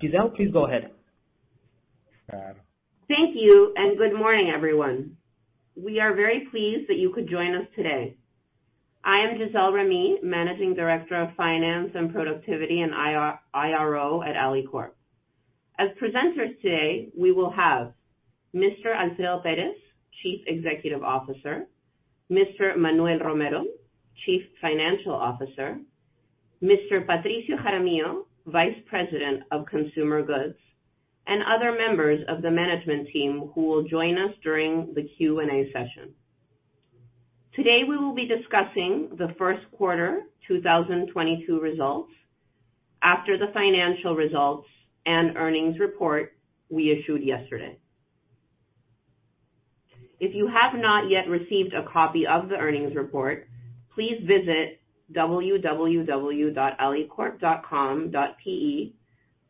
Gisele, please go ahead. Thank you, and good morning, everyone. We are very pleased that you could join us today. I am Gisele Remy, Managing Director of Finance and Productivity and IRO at Alicorp. As presenters today, we will have Mr. Alfredo Perez, Chief Executive Officer, Mr. Manuel Romero, Chief Financial Officer, Mr. Patricio Jaramillo, Vice President of Consumer Goods, and other members of the management team who will join us during the Q&A session. Today we will be discussing Q1 2022 results after the financial results and earnings report we issued yesterday. If you have not yet received a copy of the earnings report, please visit www.alicorp.com.pe,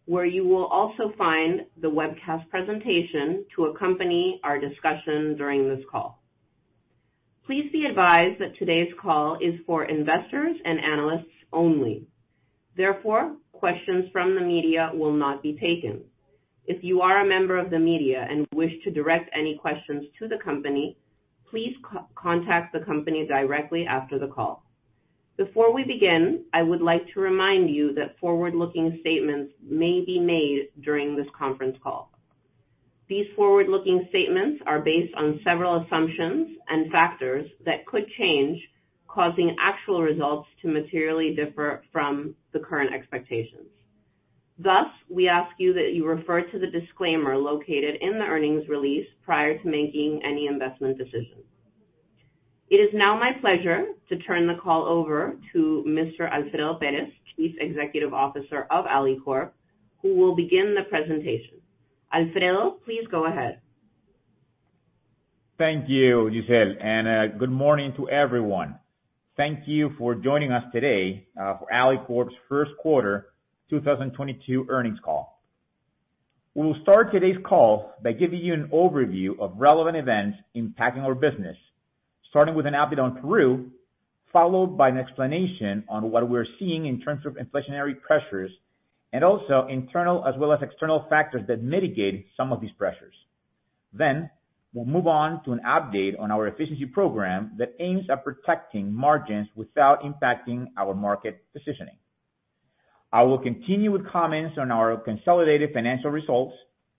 where you will also find the webcast presentation to accompany our discussion during this call. Please be advised that today's call is for investors and analysts only. Therefore, questions from the media will not be taken. If you are a member of the media and wish to direct any questions to the company, please contact the company directly after the call. Before we begin, I would like to remind you that forward-looking statements may be made during this conference call. These forward-looking statements are based on several assumptions and factors that could change, causing actual results to materially differ from the current expectations. Thus, we ask you that you refer to the disclaimer located in the earnings release prior to making any investment decisions. It is now my pleasure to turn the call over to Mr. Alfredo Perez, Chief Executive Officer of Alicorp, who will begin the presentation. Alfredo, please go ahead. Thank you, Gisele. Good morning to everyone. Thank you for joining us today for Alicorp's Q1 2022 earnings call. We'll start today's call by giving you an overview of relevant events impacting our business, starting with an update on Peru, followed by an explanation on what we're seeing in terms of inflationary pressures and also internal as well as external factors that mitigate some of these pressures. We'll move on to an update on our efficiency program that aims at protecting margins without impacting our market positioning. I will continue with comments on our consolidated financial results,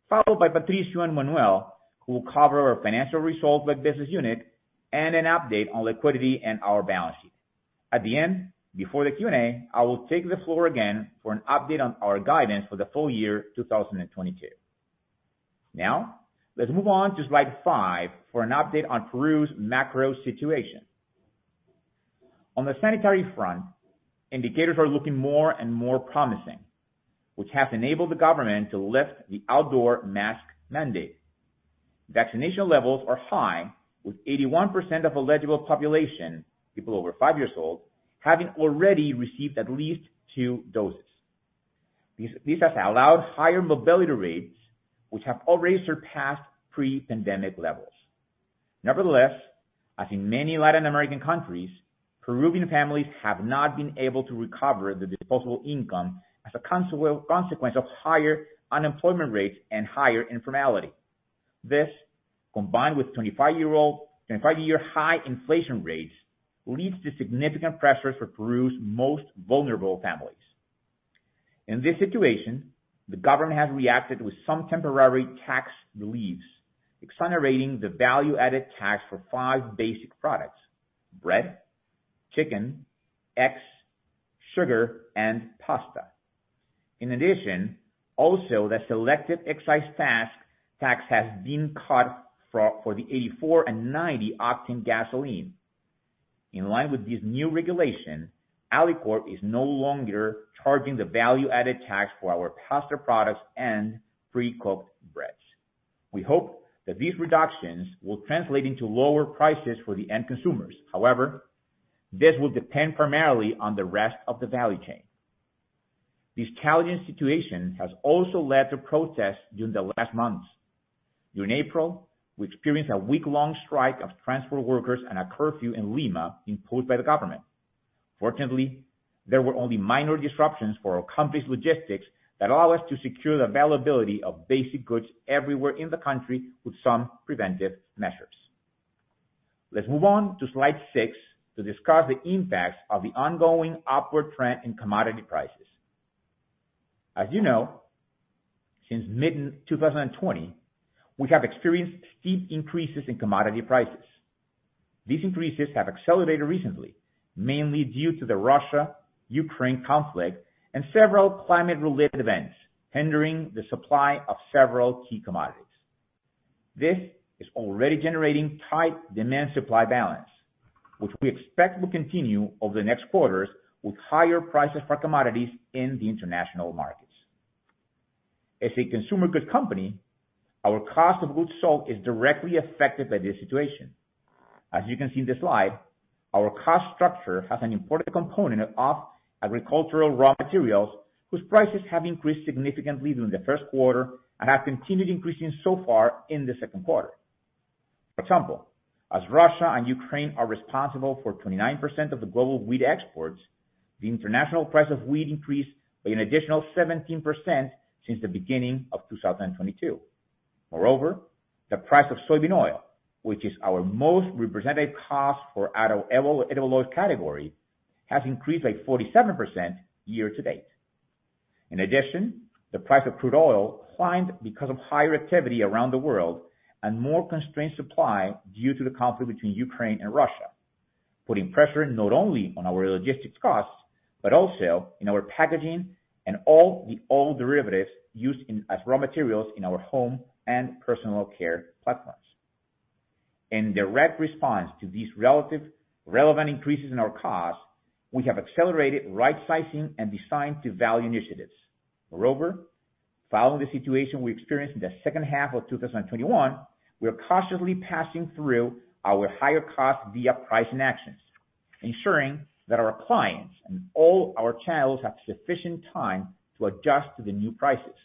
followed by Patricio and Manuel, who will cover our financial results by business unit, and an update on liquidity and our balance sheet. At the end, before the Q&A, I will take the floor again for an update on our guidance for the full year 2022. Now, let's move on to slide 5 for an update on Peru's macro situation. On the sanitary front, indicators are looking more and more promising, which has enabled the government to lift the outdoor mask mandate. Vaccination levels are high, with 81% of eligible population, people over five years old, having already received at least two doses. These have allowed higher mobility rates, which have already surpassed pre-pandemic levels. Nevertheless, as in many Latin American countries, Peruvian families have not been able to recover the disposable income as a consequence of higher unemployment rates and higher informality. This, combined with 25-year high inflation rates, leads to significant pressures for Peru's most vulnerable families. In this situation, the government has reacted with some temporary tax reliefs, exonerating the value-added tax for five basic products, bread, chicken, eggs, sugar, and pasta. In addition, also the Selective Consumption Tax has been cut for the 84 and 90 octane gasoline. In line with this new regulation, Alicorp is no longer charging the value-added tax for our pasta products and pre-cooked breads. We hope that these reductions will translate into lower prices for the end consumers. However, this will depend primarily on the rest of the value chain. This challenging situation has also led to protests during the last months. During April, we experienced a week-long strike of transport workers and a curfew in Lima imposed by the government. Fortunately, there were only minor disruptions for our company's logistics that allow us to secure the availability of basic goods everywhere in the country with some preventive measures. Let's move on to slide 6 to discuss the impacts of the ongoing upward trend in commodity prices. As you know, since mid-2020, we have experienced steep increases in commodity prices. These increases have accelerated recently, mainly due to the Russia-Ukraine conflict and several climate-related events hindering the supply of several key commodities. This is already generating tight demand-supply balance, which we expect will continue over the next quarters with higher prices for commodities in the international markets. As a consumer goods company, our cost of goods sold is directly affected by this situation. As you can see in the slide, our cost structure has an important component of agricultural raw materials whose prices have increased significantly during Q1 and have continued increasing so far in the second quarter. For example, as Russia and Ukraine are responsible for 29% of the global wheat exports, the international price of wheat increased by an additional 17% since the beginning of 2022. Moreover, the price of soybean oil, which is our most representative cost for our edible oil category, has increased by 47% year-to-date. In addition, the price of crude oil climbed because of higher activity around the world and more constrained supply due to the conflict between Ukraine and Russia, putting pressure not only on our logistics costs, but also in our packaging and all the oil derivatives used as raw materials in our home and personal care platforms. In direct response to these relatively relevant increases in our costs, we have accelerated right sizing and design to value initiatives. Moreover, following the situation we experienced in H2 of 2021, we are cautiously passing through our higher costs via pricing actions, ensuring that our clients and all our channels have sufficient time to adjust to the new prices.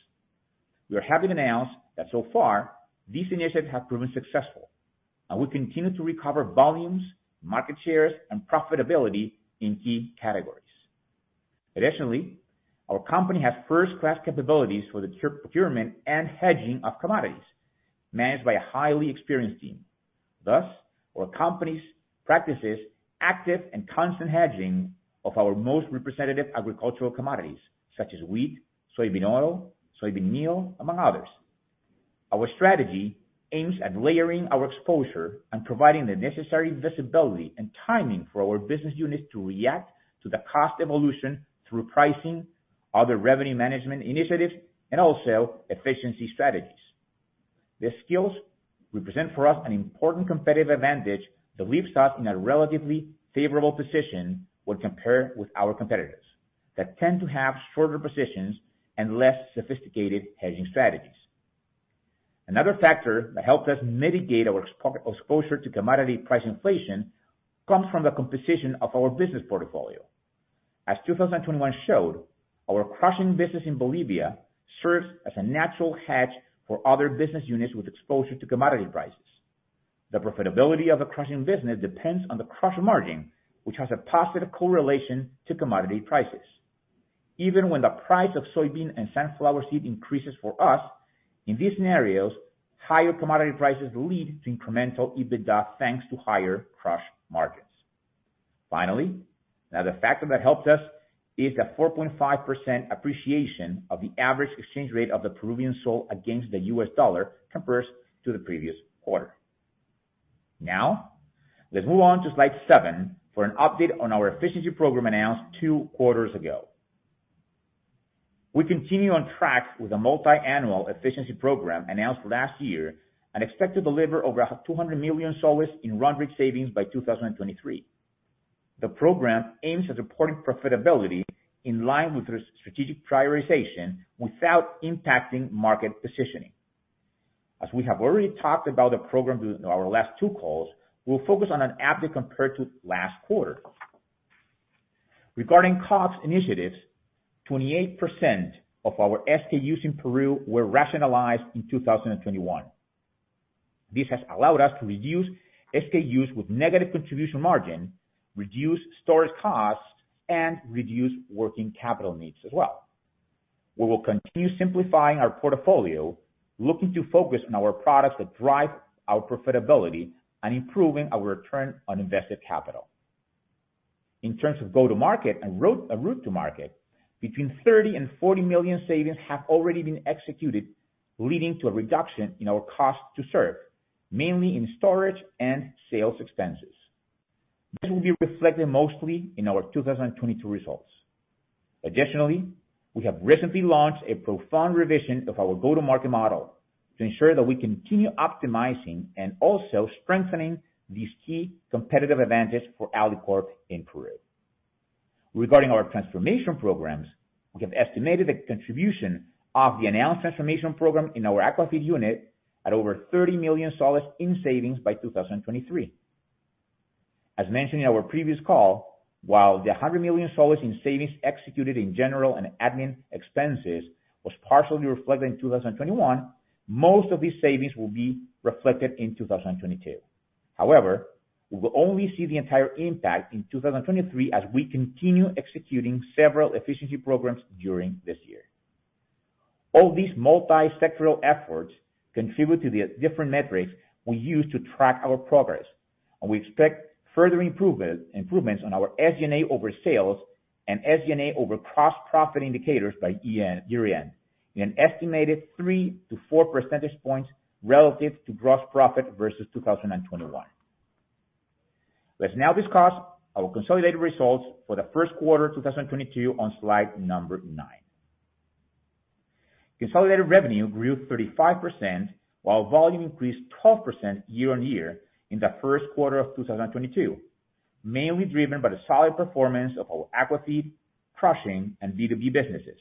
We are happy to announce that so far, these initiatives have proven successful, and we continue to recover volumes, market shares, and profitability in key categories. Additionally, our company has first-class capabilities for the procurement and hedging of commodities managed by a highly experienced team. Thus, our company practices active and constant hedging of our most representative agricultural commodities such as wheat, soybean oil, soybean meal, among others. Our strategy aims at layering our exposure and providing the necessary visibility and timing for our business units to react to the cost evolution through pricing, other revenue management initiatives, and also efficiency strategies. These skills represent for us an important competitive advantage that leaves us in a relatively favorable position when compared with our competitors that tend to have shorter positions and less sophisticated hedging strategies. Another factor that helps us mitigate our exposure to commodity price inflation comes from the composition of our business portfolio. As 2021 showed, our crushing business in Bolivia serves as a natural hedge for other business units with exposure to commodity prices. The profitability of the crushing business depends on the crush margin, which has a positive correlation to commodity prices. Even when the price of soybean and sunflower seed increases for us, in these scenarios, higher commodity prices lead to incremental EBITDA, thanks to higher crush margins. Finally, another factor that helps us is the 4.5% appreciation of the average exchange rate of the Peruvian sol against the U.S. dollar compared to the previous quarter. Now, let's move on to slide 7 for an update on our efficiency program announced two quarters ago. We continue on track with a multi-annual efficiency program announced last year and expect to deliver over PEN 200 million in run rate savings by 2023. The program aims at supporting profitability in line with the strategic prioritization without impacting market positioning. As we have already talked about the program during our last two calls, we'll focus on an update compared to last quarter. Regarding cost initiatives, 28% of our SKUs in Peru were rationalized in 2021. This has allowed us to reduce SKUs with negative contribution margin, reduce storage costs, and reduce working capital needs as well. We will continue simplifying our portfolio, looking to focus on our products that drive our profitability and improving our return on invested capital. In terms of go-to-market and route to market, between PEN 30 million and PEN 40 million savings have already been executed, leading to a reduction in our cost to serve, mainly in storage and sales expenses. This will be reflected mostly in our 2022 results. Additionally, we have recently launched a profound revision of our go-to-market model to ensure that we continue optimizing and also strengthening these key competitive advantages for Alicorp in Peru. Regarding our transformation programs, we have estimated the contribution of the announced transformation program in our Aquafeed unit at over PEN 30 million in savings by 2023. As mentioned in our previous call, while the PEN 100 million in savings executed in general and admin expenses was partially reflected in 2021, most of these savings will be reflected in 2022. However, we will only see the entire impact in 2023 as we continue executing several efficiency programs during this year. All these multi-sectoral efforts contribute to the different metrics we use to track our progress, and we expect further improvements on our SG&A over sales and SG&A over gross profit indicators by year-end, an estimated 3-4 percentage points relative to gross profit versus 2021. Let's now discuss our consolidated results for Q1 2022 on slide number 9. Consolidated revenue grew 35%, while volume increased 12% year-on-year in Q1 of 2022, mainly driven by the solid performance of our Aquafeed, crushing, and B2B businesses.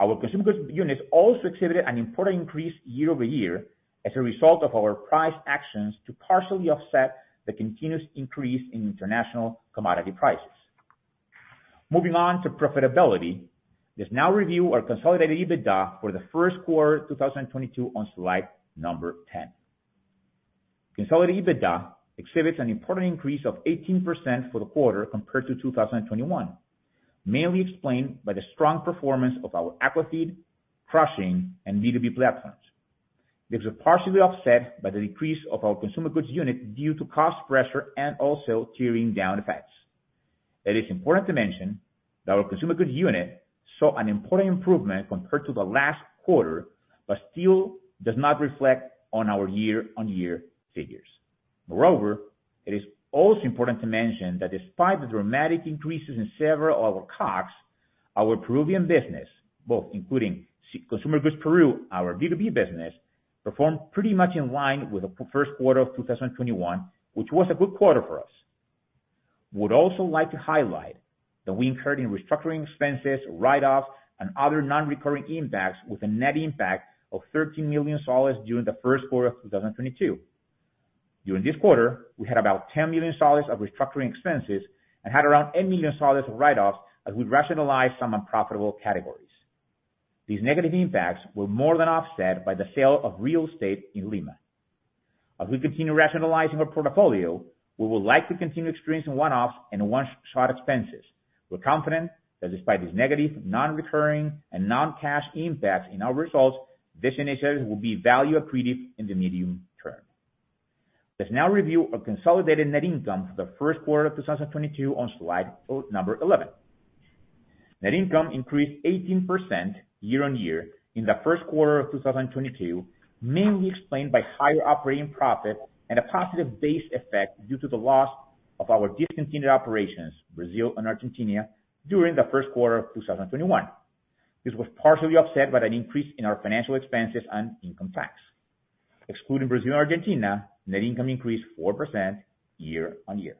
Our consumer goods units also exhibited an important increase year-over-year as a result of our price actions to partially offset the continuous increase in international commodity prices. Moving on to profitability. Let's now review our consolidated EBITDA for Q1 2022 on slide number 10. Consolidated EBITDA exhibits an important increase of 18% for the quarter compared to 2021, mainly explained by the strong performance of our Aquafeed, crushing, and B2B platforms. These are partially offset by the decrease of our consumer goods unit due to cost pressure and also tiering down effects. It is important to mention that our consumer goods unit saw an important improvement compared to the last quarter, but still does not reflect on our year-on-year figures. Moreover, it is also important to mention that despite the dramatic increases in several of our costs, our Peruvian business, both including consumer goods Peru, our B2B business, performed pretty much in line with Q1 of 2021, which was a good quarter for us. We'd also like to highlight that we incurred in restructuring expenses, write-offs, and other non-recurring impacts with a net impact of PEN 13 million during Q1 of 2022. During this quarter, we had about PEN 10 million of restructuring expenses and had around PEN 8 million of write-offs as we rationalize some unprofitable categories. These negative impacts were more than offset by the sale of real estate in Lima. We continue rationalizing our portfolio, we will likely continue experiencing one-offs and one-shot expenses. We're confident that despite these negative non-recurring and non-cash impacts in our results, these initiatives will be value accretive in the medium term. Let's now review our consolidated net income for Q1 of 2022 on slide number 11. Net income increased 18% year-on-year in Q1 of 2022, mainly explained by higher operating profit and a positive base effect due to the loss of our discontinued operations, Brazil and Argentina, during Q1 of 2021. This was partially offset by an increase in our financial expenses and income tax. Excluding Brazil and Argentina, net income increased 4% year-on-year.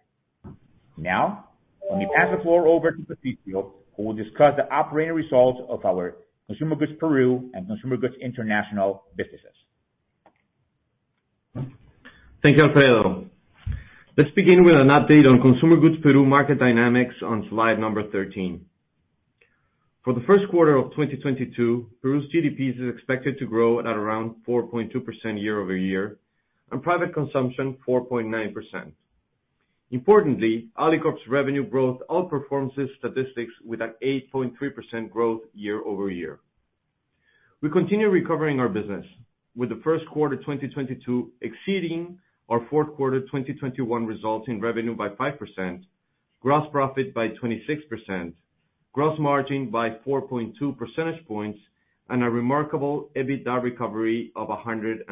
Now, let me pass the floor over to Patricio, who will discuss the operating results of our Consumer Goods Peru and Consumer Goods International businesses. Thank you, Alfredo. Let's begin with an update on consumer goods Peru market dynamics on slide 13. For Q1 of 2022, Peru's GDP is expected to grow at around 4.2% year-over-year, and private consumption 4.9%. Importantly, Alicorp's revenue growth outperforms these statistics with an 8.3% growth year-over-year. We continue recovering our business with Q1 2022 exceeding our Q4 2021 results in revenue by 5%, gross profit by 26%, gross margin by 4.2 percentage points, and a remarkable EBITDA recovery of 169%.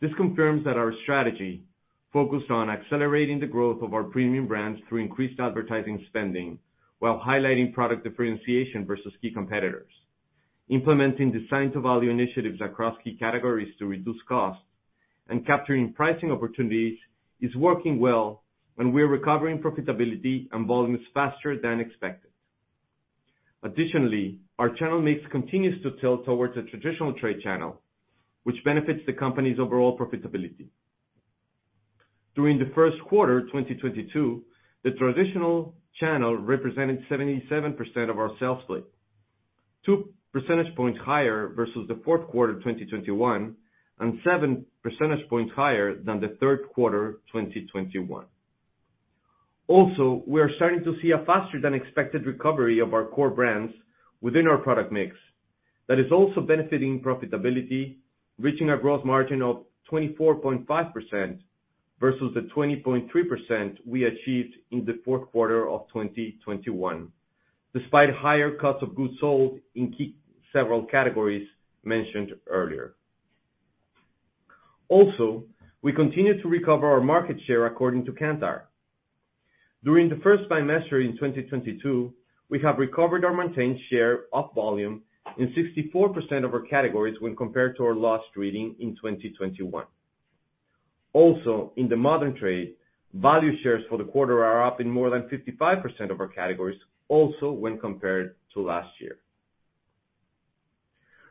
This confirms that our strategy focused on accelerating the growth of our premium brands through increased advertising spending, while highlighting product differentiation versus key competitors. Implementing design to value initiatives across key categories to reduce costs and capturing pricing opportunities is working well, and we're recovering profitability and volumes faster than expected. Additionally, our channel mix continues to tilt towards the traditional trade channel, which benefits the company's overall profitability. During Q1 2022, the traditional channel represented 77% of our sales split, 2 percentage points higher versus Q4 2021, and 7 percentage points higher than Q3 2021. Also, we are starting to see a faster than expected recovery of our core brands within our product mix that is also benefiting profitability, reaching a gross margin of 24.5% versus the 20.3% we achieved in the fourth quarter of 2021, despite higher cost of goods sold in several key categories mentioned earlier. We continue to recover our market share according to Kantar. During Q1 in 2022, we have recovered or maintained share of volume in 64% of our categories when compared to our last reading in 2021. In the modern trade, value shares for the quarter are up in more than 55% of our categories also when compared to last year.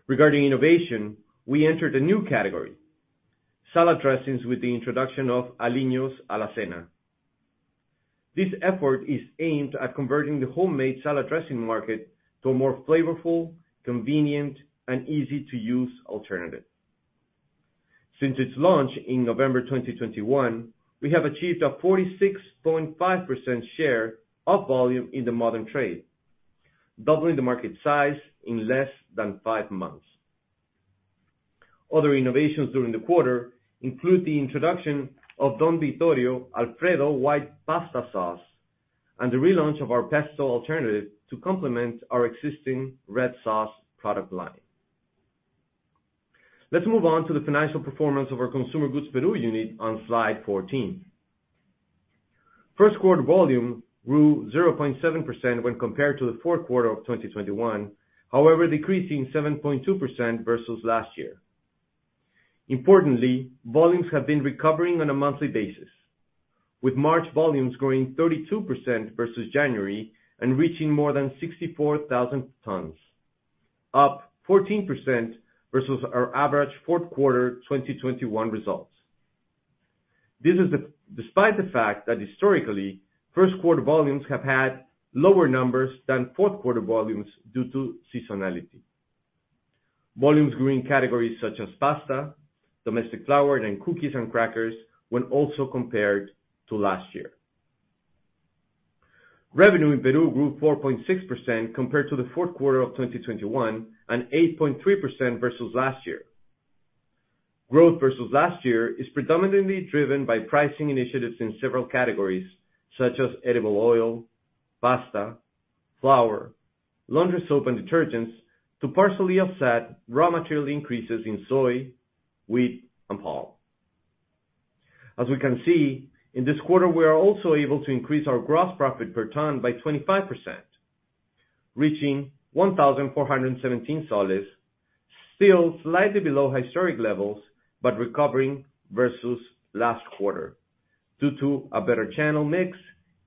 Regarding innovation, we entered a new category, salad dressings, with the introduction of Aliños AlaCena. This effort is aimed at converting the homemade salad dressing market to a more flavorful, convenient, and easy-to-use alternative. Since its launch in November 2021, we have achieved a 46.5% share of volume in the modern trade, doubling the market size in less than 5 months. Other innovations during the quarter include the introduction of Don Vittorio Alfredo White Pasta Sauce and the relaunch of our pesto alternative to complement our existing red sauce product line. Let's move on to the financial performance of our Consumer Goods Peru unit on slide 14. Q1 volume grew 0.7% when compared to Q4 of 2021, however, decreasing 7.2% versus last year. Importantly, volumes have been recovering on a monthly basis, with March volumes growing 32% versus January and reaching more than 64,000 tons. Up 14% versus our average Q4 2021 results. This is despite the fact that historically, Q1 volumes have had lower numbers than Q4 volumes due to seasonality. Volumes grew in categories such as pasta, domestic flour, and cookies and crackers when also compared to last year. Revenue in Peru grew 4.6% compared to Q4 of 2021, and 8.3% versus last year. Growth versus last year is predominantly driven by pricing initiatives in several categories, such as edible oil, pasta, flour, laundry soap, and detergents, to partially offset raw material increases in soy, wheat, and palm. As we can see, in this quarter, we are also able to increase our gross profit per ton by 25%, reaching 1,417 PEN, still slightly below historic levels, but recovering versus last quarter due to a better channel mix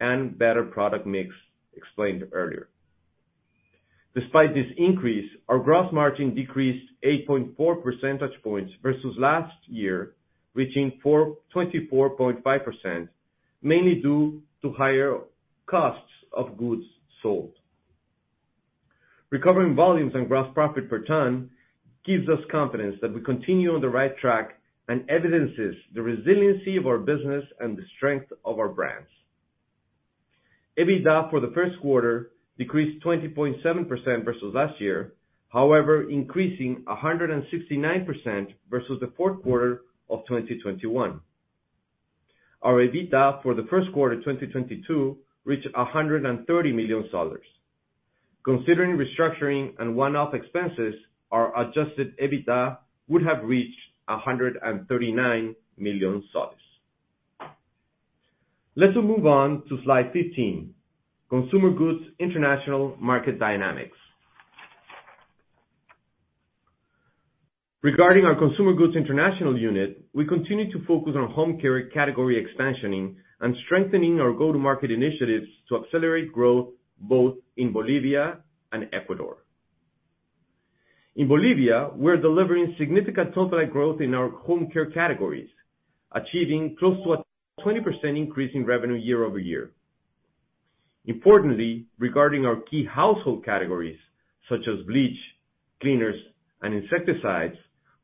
and better product mix explained earlier. Despite this increase, our gross margin decreased 8.4 percentage points versus last year, reaching 24.5%, mainly due to higher costs of goods sold. Recovering volumes and gross profit per ton gives us confidence that we continue on the right track and evidences the resiliency of our business and the strength of our brands. EBITDA for Q1 decreased 20.7% versus last year, however, increasing 169% versus Q4 of 2021. Our EBITDA for Q1 2022 reached PEN 130 million. Considering restructuring and one-off expenses, our adjusted EBITDA would have reached PEN 139 million. Let's move on to slide 15, Consumer Goods International Market Dynamics. Regarding our Consumer Goods International unit, we continue to focus on home care category expansion and strengthening our go-to-market initiatives to accelerate growth both in Bolivia and Ecuador. In Bolivia, we're delivering significant satellite growth in our home care categories, achieving close to a 20% increase in revenue year-over-year. Importantly, regarding our key household categories, such as bleach, cleaners, and insecticides,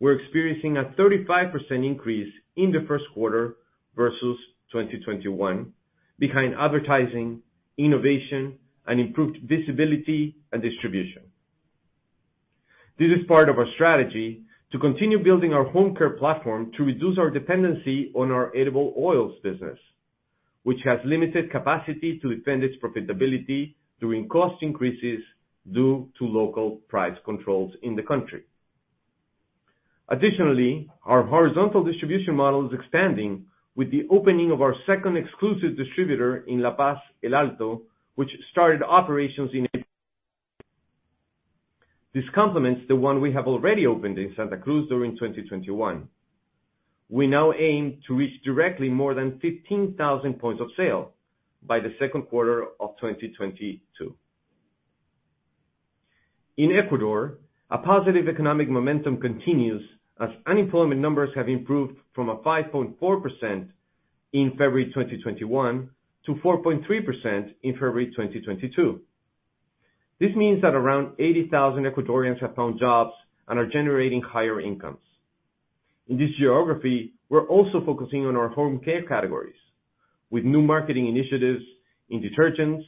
we're experiencing a 35% increase in Q1 versus 2021 behind advertising, innovation, and improved visibility and distribution. This is part of our strategy to continue building our home care platform to reduce our dependency on our edible oils business, which has limited capacity to defend its profitability during cost increases due to local price controls in the country. Additionally, our horizontal distribution model is expanding with the opening of our second exclusive distributor in La Paz, El Alto, which started operations in April. This complements the one we have already opened in Santa Cruz during 2021. We now aim to reach directly more than 15,000 points of sale by Q2 of 2022. In Ecuador, a positive economic momentum continues as unemployment numbers have improved from a 5.4% in February 2021 to 4.3% in February 2022. This means that around 80,000 Ecuadorians have found jobs and are generating higher incomes. In this geography, we're also focusing on our home care categories with new marketing initiatives in detergents,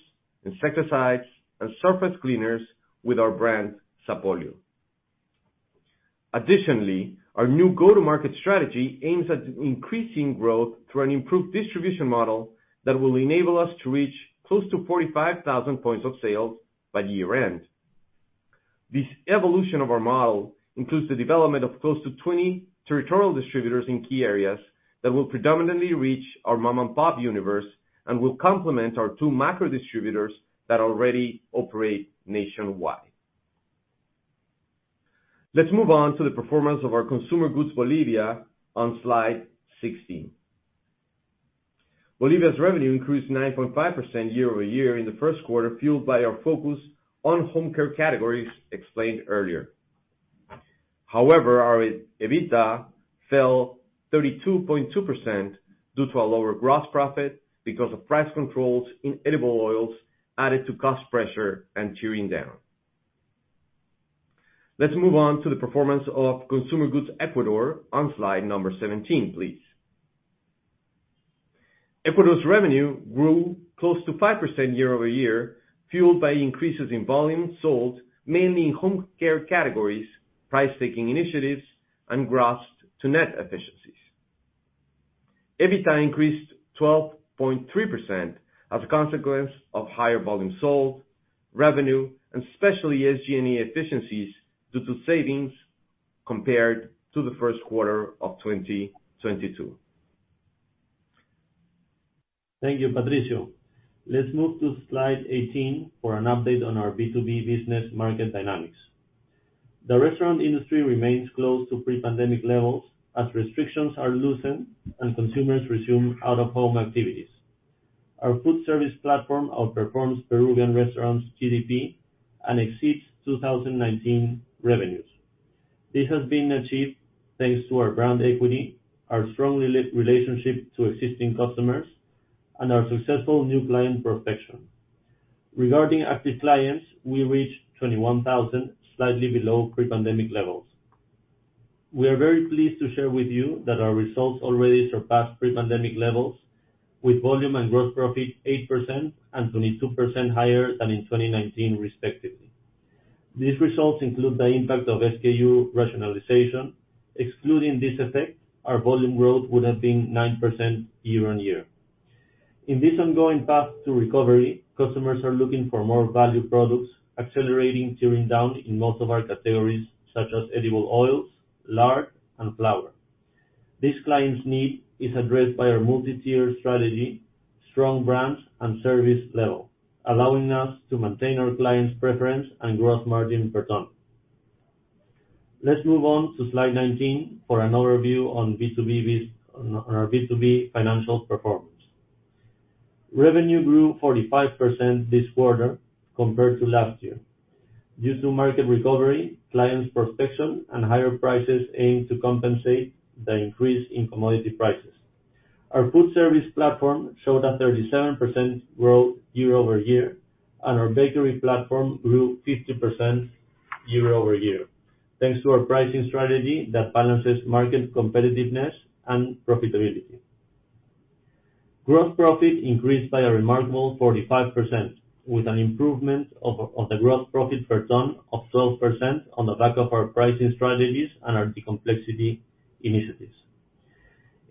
insecticides, and surface cleaners with our brand, Sapolio. Additionally, our new go-to-market strategy aims at increasing growth through an improved distribution model that will enable us to reach close to 45,000 points of sales by year-end. This evolution of our model includes the development of close to 20 territorial distributors in key areas that will predominantly reach our mom-and-pop universe and will complement our 2 macro distributors that already operate nationwide. Let's move on to the performance of our Consumer Goods Bolivia on slide 16. Bolivia's revenue increased 9.5% year-over-year in Q1, fueled by our focus on home care categories explained earlier. However, our EBITDA fell 32.2% due to a lower gross profit because of price controls in edible oils added to cost pressure and tiering down. Let's move on to the performance of Consumer Goods Ecuador on slide number 17, please. Ecuador's revenue grew close to 5% year-over-year, fueled by increases in volume sold mainly in home care categories, price taking initiatives, and gross to net efficiencies. EBITDA increased 12.3% as a consequence of higher volume sold, revenue, and especially SG&A efficiencies due to savings compared to Q1 of 2022. Thank you, Patricio. Let's move to slide 18 for an update on our B2B business market dynamics. The restaurant industry remains close to pre-pandemic levels as restrictions are loosened and consumers resume out-of-home activities. Our food service platform outperforms Peruvian restaurants GDP and exceeds 2019 revenues. This has been achieved thanks to our brand equity, our strong relationship to existing customers, and our successful new client prospection. Regarding active clients, we reached 21,000, slightly below pre-pandemic levels. We are very pleased to share with you that our results already surpassed pre-pandemic levels with volume and gross profit 8% and 22% higher than in 2019 respectively. These results include the impact of SKU rationalization. Excluding this effect, our volume growth would have been 9% year-on-year. In this ongoing path to recovery, customers are looking for more value products, accelerating tiering down in most of our categories such as edible oils, lard, and flour. This client's need is addressed by our multi-tier strategy, strong brands, and service level, allowing us to maintain our clients' preference and gross margin per ton. Let's move on to slide 19 for an overview on our B2B financial performance. Revenue grew 45% this quarter compared to last year due to market recovery, client prospecting, and higher prices aimed to compensate the increase in commodity prices. Our food service platform showed a 37% growth year-over-year, and our bakery platform grew 50% year-over-year, thanks to our pricing strategy that balances market competitiveness and profitability. Gross profit increased by a remarkable 45% with an improvement of the gross profit per ton of 12% on the back of our pricing strategies and our de-complexity initiatives.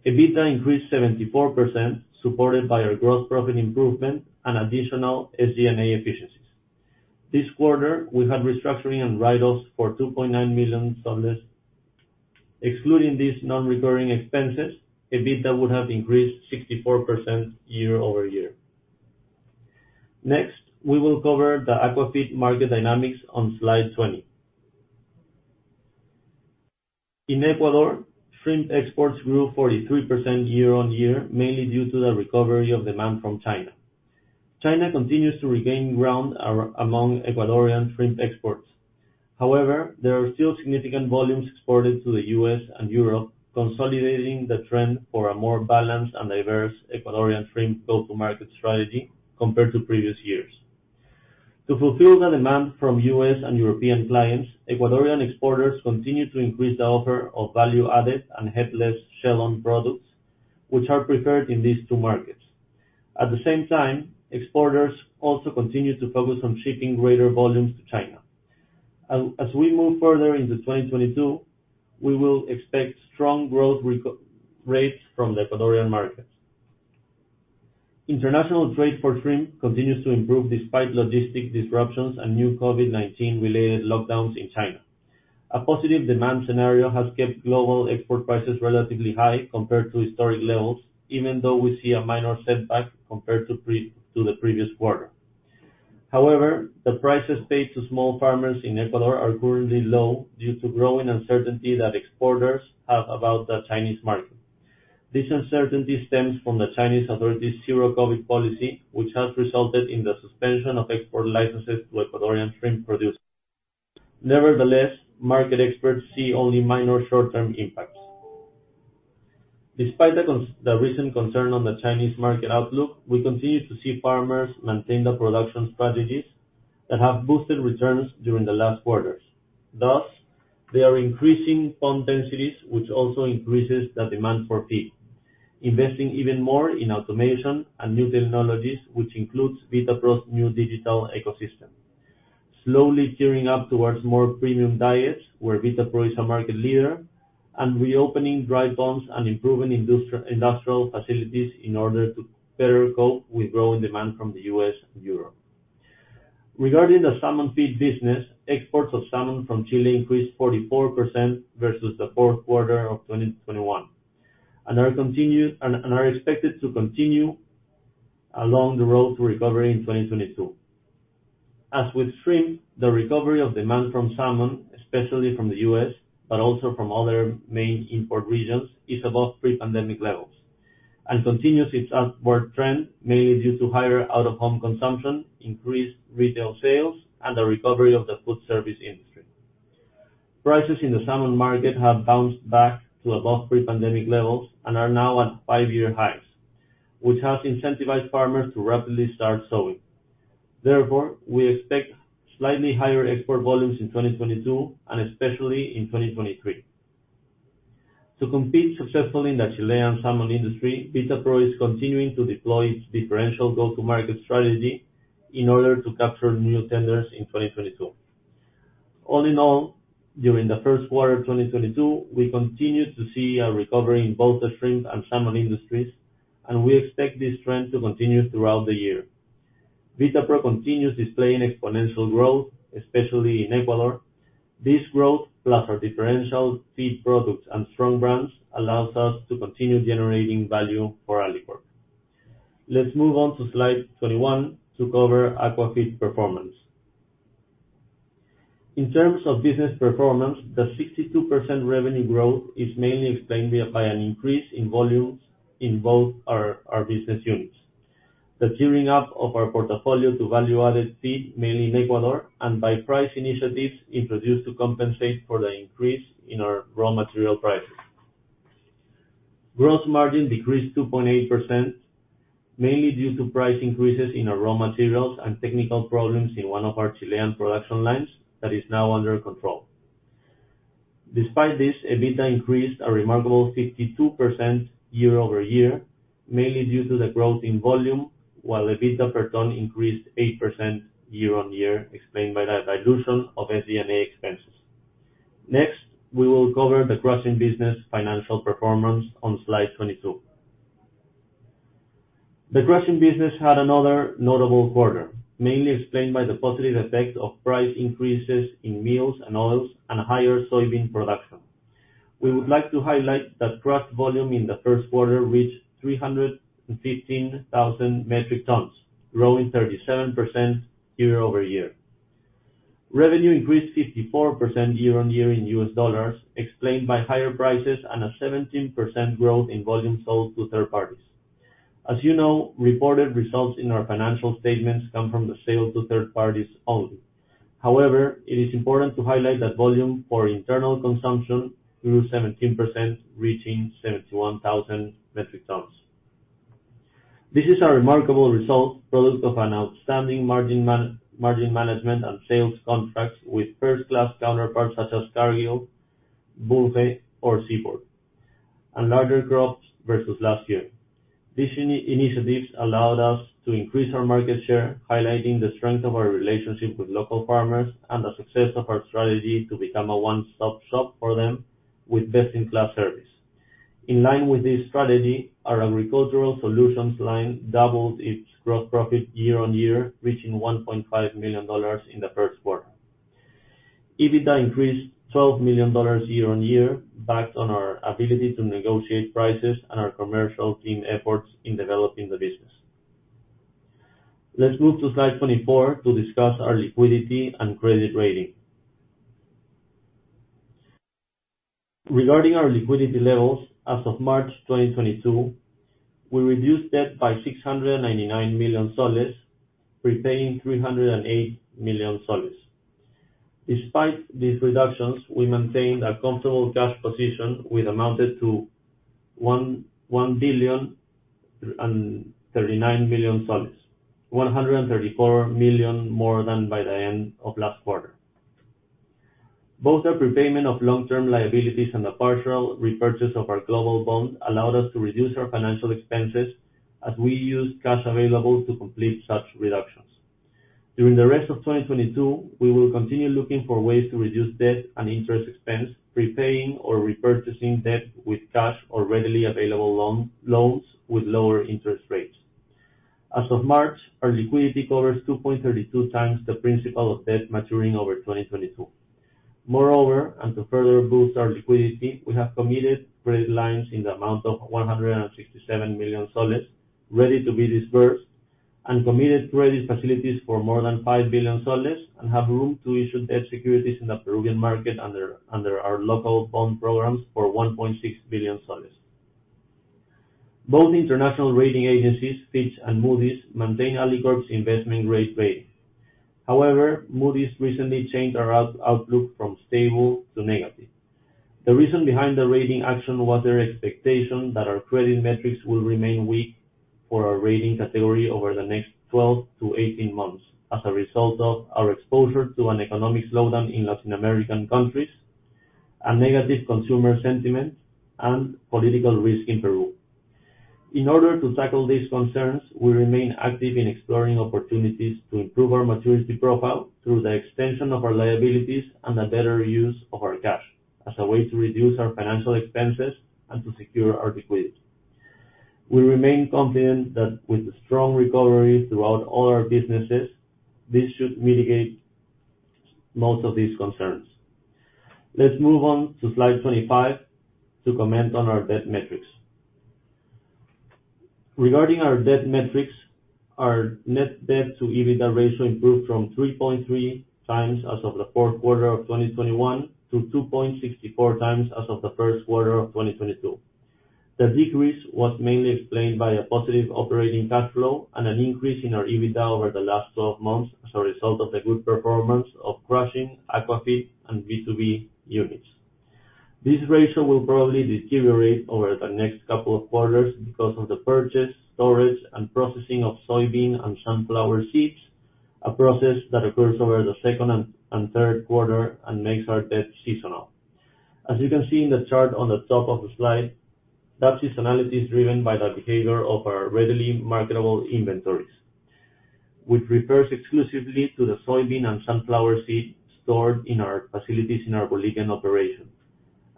EBITDA increased 74% supported by our gross profit improvement and additional SG&A efficiencies. This quarter, we had restructuring and write-offs for PEN 2.9 million. Excluding these non-recurring expenses, EBITDA would have increased 64% year-over-year. Next, we will cover the Aquafeed market dynamics on slide 20. In Ecuador, shrimp exports grew 43% year-on-year, mainly due to the recovery of demand from China. China continues to regain ground among Ecuadorian shrimp exports. However, there are still significant volumes exported to the U.S. and Europe, consolidating the trend for a more balanced and diverse Ecuadorian shrimp go-to-market strategy compared to previous years. To fulfill the demand from U.S. and European clients, Ecuadorian exporters continue to increase the offer of value-added and headless shell-on products, which are preferred in these two markets. At the same time, exporters also continue to focus on shipping greater volumes to China. We move further into 2022, we will expect strong growth recovery rates from the Ecuadorian market. International trade for shrimp continues to improve despite logistical disruptions and new COVID-19 related lockdowns in China. A positive demand scenario has kept global export prices relatively high compared to historic levels, even though we see a minor setback compared to the previous quarter. However, the prices paid to small farmers in Ecuador are currently low due to growing uncertainty that exporters have about the Chinese market. This uncertainty stems from the Chinese authorities' zero COVID policy, which has resulted in the suspension of export licenses to Ecuadorian shrimp producers. Nevertheless, market experts see only minor short-term impacts. Despite the recent concern on the Chinese market outlook, we continue to see farmers maintain the production strategies that have boosted returns during the last quarters. Thus, they are increasing pond densities, which also increases the demand for feed, investing even more in automation and new technologies, which includes Vitapro's new digital ecosystem. Slowly gearing up towards more premium diets where Vitapro is a market leader, and reopening dry ponds and improving industrial facilities in order to better cope with growing demand from the U.S. and Europe. Regarding the salmon feed business, exports of salmon from Chile increased 44% versus Q4 of 2021, and are expected to continue along the road to recovery in 2022. As with shrimp, the recovery of demand from salmon, especially from the U.S., but also from other main import regions, is above pre-pandemic levels and continues its upward trend, mainly due to higher out-of-home consumption, increased retail sales, and the recovery of the food service industry. Prices in the salmon market have bounced back to above pre-pandemic levels and are now at 5-year highs, which has incentivized farmers to rapidly start sowing. Therefore, we expect slightly higher export volumes in 2022 and especially in 2023. To compete successfully in the Chilean salmon industry, Vitapro is continuing to deploy its differential go-to-market strategy in order to capture new tenders in 2022. All in all, during Q1 of 2022, we continued to see a recovery in both the shrimp and salmon industries, and we expect this trend to continue throughout the year. Vitapro continues displaying exponential growth, especially in Ecuador. This growth, plus our differential seed products and strong brands, allows us to continue generating value for Alicorp. Let's move on to slide 21 to cover Aquafeed performance. In terms of business performance, the 62% revenue growth is mainly explained by an increase in volumes in both our business units. The gearing up of our portfolio to value-added feed, mainly in Ecuador, and by price initiatives introduced to compensate for the increase in our raw material prices. Gross margin decreased 2.8%, mainly due to price increases in our raw materials and technical problems in one of our Chilean production lines that is now under control. Despite this, EBITDA increased a remarkable 52% year-over-year, mainly due to the growth in volume, while EBITDA per ton increased 8% year-over-year, explained by the dilution of SG&A expenses. Next, we will cover the crushing business financial performance on slide 22. The crushing business had another notable quarter, mainly explained by the positive effect of price increases in meals and oils and higher soybean production. We would like to highlight that crushed volume in the first quarter reached 315,000 metric tons, growing 37% year-over-year. Revenue increased 54% year-on-year in U.S. dollars, explained by higher prices and a 17% growth in volume sold to third parties. As you know, reported results in our financial statements come from the sale to third parties only. However, it is important to highlight that volume for internal consumption grew 17%, reaching 71,000 metric tons. This is a remarkable result, product of an outstanding margin management and sales contracts with first-class counterparts such as Cargill, Bunge, or Seaboard, and larger crops versus last year. These initiatives allowed us to increase our market share, highlighting the strength of our relationship with local farmers and the success of our strategy to become a one-stop shop for them with best-in-class service. In line with this strategy, our agricultural solutions line doubled its gross profit year-over-year, reaching $1.5 million in Q1. EBITDA increased $12 million year-over-year, based on our ability to negotiate prices and our commercial team efforts in developing the business. Let's move to slide 24 to discuss our liquidity and credit rating. Regarding our liquidity levels, as of March 2022, we reduced debt by PEN 699 million, repaying PEN 308 million. Despite these reductions, we maintained a comfortable cash position, which amounted to PEN 1,139 million, PEN 134 million more than by the end of last quarter. Both our prepayment of long-term liabilities and the partial repurchase of our global bond allowed us to reduce our financial expenses as we used cash available to complete such reductions. During the rest of 2022, we will continue looking for ways to reduce debt and interest expense, prepaying or repurchasing debt with cash or readily available loans with lower interest rates. As of March, our liquidity covers 2.32 times the principal of debt maturing over 2022. Moreover, and to further boost our liquidity, we have committed credit lines in the amount of PEN 167 million, ready to be disbursed, and committed credit facilities for more than PEN 5 billion, and have room to issue debt securities in the Peruvian market under our local bond programs for PEN 1.6 billion. Both international rating agencies, Fitch and Moody's, maintain Alicorp's investment-grade rating. However, Moody's recently changed our outlook from stable to negative. The reason behind the rating action was their expectation that our credit metrics will remain weak for our rating category over the next 12-18 months as a result of our exposure to an economic slowdown in Latin American countries, and negative consumer sentiment, and political risk in Peru. In order to tackle these concerns, we remain active in exploring opportunities to improve our maturity profile through the extension of our liabilities and the better use of our cash as a way to reduce our financial expenses and to secure our liquidity. We remain confident that with strong recovery throughout all our businesses, this should mitigate most of these concerns. Let's move on to slide 25 to comment on our debt metrics. Regarding our debt metrics, our net debt to EBITDA ratio improved from 3.3 times as of Q4 of 2021 to 2.64 times as of Q1 of 2022. The decrease was mainly explained by a positive operating cash flow and an increase in our EBITDA over the last 12 months as a result of the good performance of crushing, aquafeed, and B2B units. This ratio will probably deteriorate over the next couple of quarters because of the purchase, storage, and processing of soybean and sunflower seeds, a process that occurs over the second and Q3 and makes our debt seasonal. As you can see in the chart on the top of the slide, that seasonality is driven by the behavior of our Readily Marketable Inventories, which refers exclusively to the soybean and sunflower seed stored in our facilities in our Bolivian operations,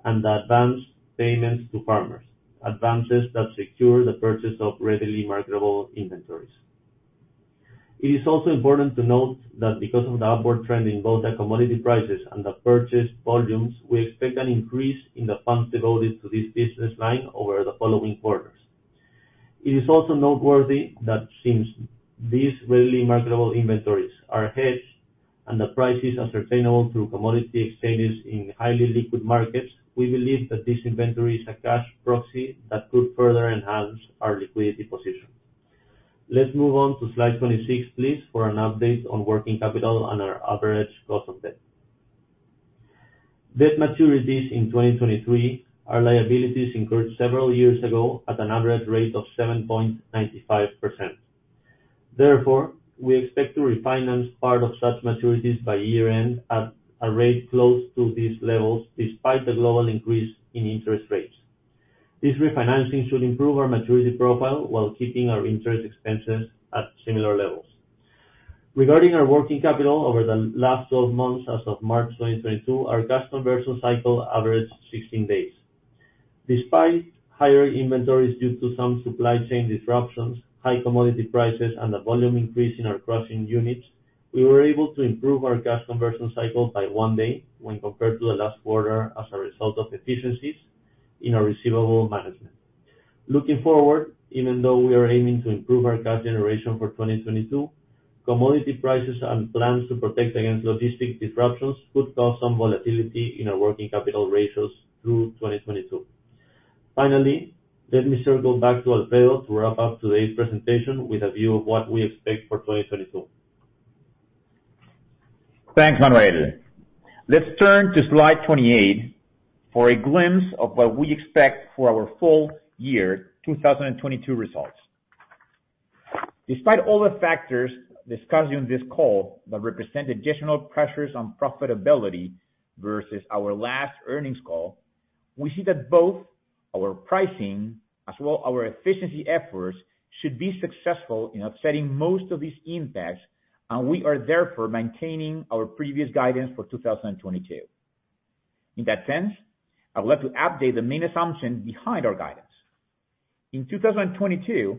and the advanced payments to farmers, advances that secure the purchase of Readily Marketable Inventories. It is also important to note that because of the upward trend in both the commodity prices and the purchase volumes, we expect an increase in the funds devoted to this business line over the following quarters. It is also noteworthy that since these Readily Marketable Inventories are hedged and the prices are sustainable through commodity exchanges in highly liquid markets, we believe that this inventory is a cash proxy that could further enhance our liquidity position. Let's move on to slide 26, please, for an update on working capital and our average cost of debt. Debt maturities in 2023 are liabilities incurred several years ago at an average rate of 7.95%. Therefore, we expect to refinance part of such maturities by year-end at a rate close to these levels, despite the global increase in interest rates. This refinancing should improve our maturity profile while keeping our interest expenses at similar levels. Regarding our working capital over the last 12 months as of March 2022, our cash conversion cycle averaged 16 days. Despite higher inventories due to some supply chain disruptions, high commodity prices, and a volume increase in our crushing units, we were able to improve our cash conversion cycle by one day when compared to the last quarter as a result of efficiencies in our receivable management. Looking forward, even though we are aiming to improve our cash generation for 2022, commodity prices and plans to protect against logistic disruptions could cause some volatility in our working capital ratios through 2022. Finally, let me circle back to Alfredo to wrap up today's presentation with a view of what we expect for 2022. Thanks, Manuel. Let's turn to slide 28 for a glimpse of what we expect for our full year 2022 results. Despite all the factors discussed on this call that represent additional pressures on profitability versus our last earnings call, we see that both our pricing as well our efficiency efforts should be successful in offsetting most of these impacts, and we are therefore maintaining our previous guidance for 2022. In that sense, I would like to update the main assumption behind our guidance. In 2022,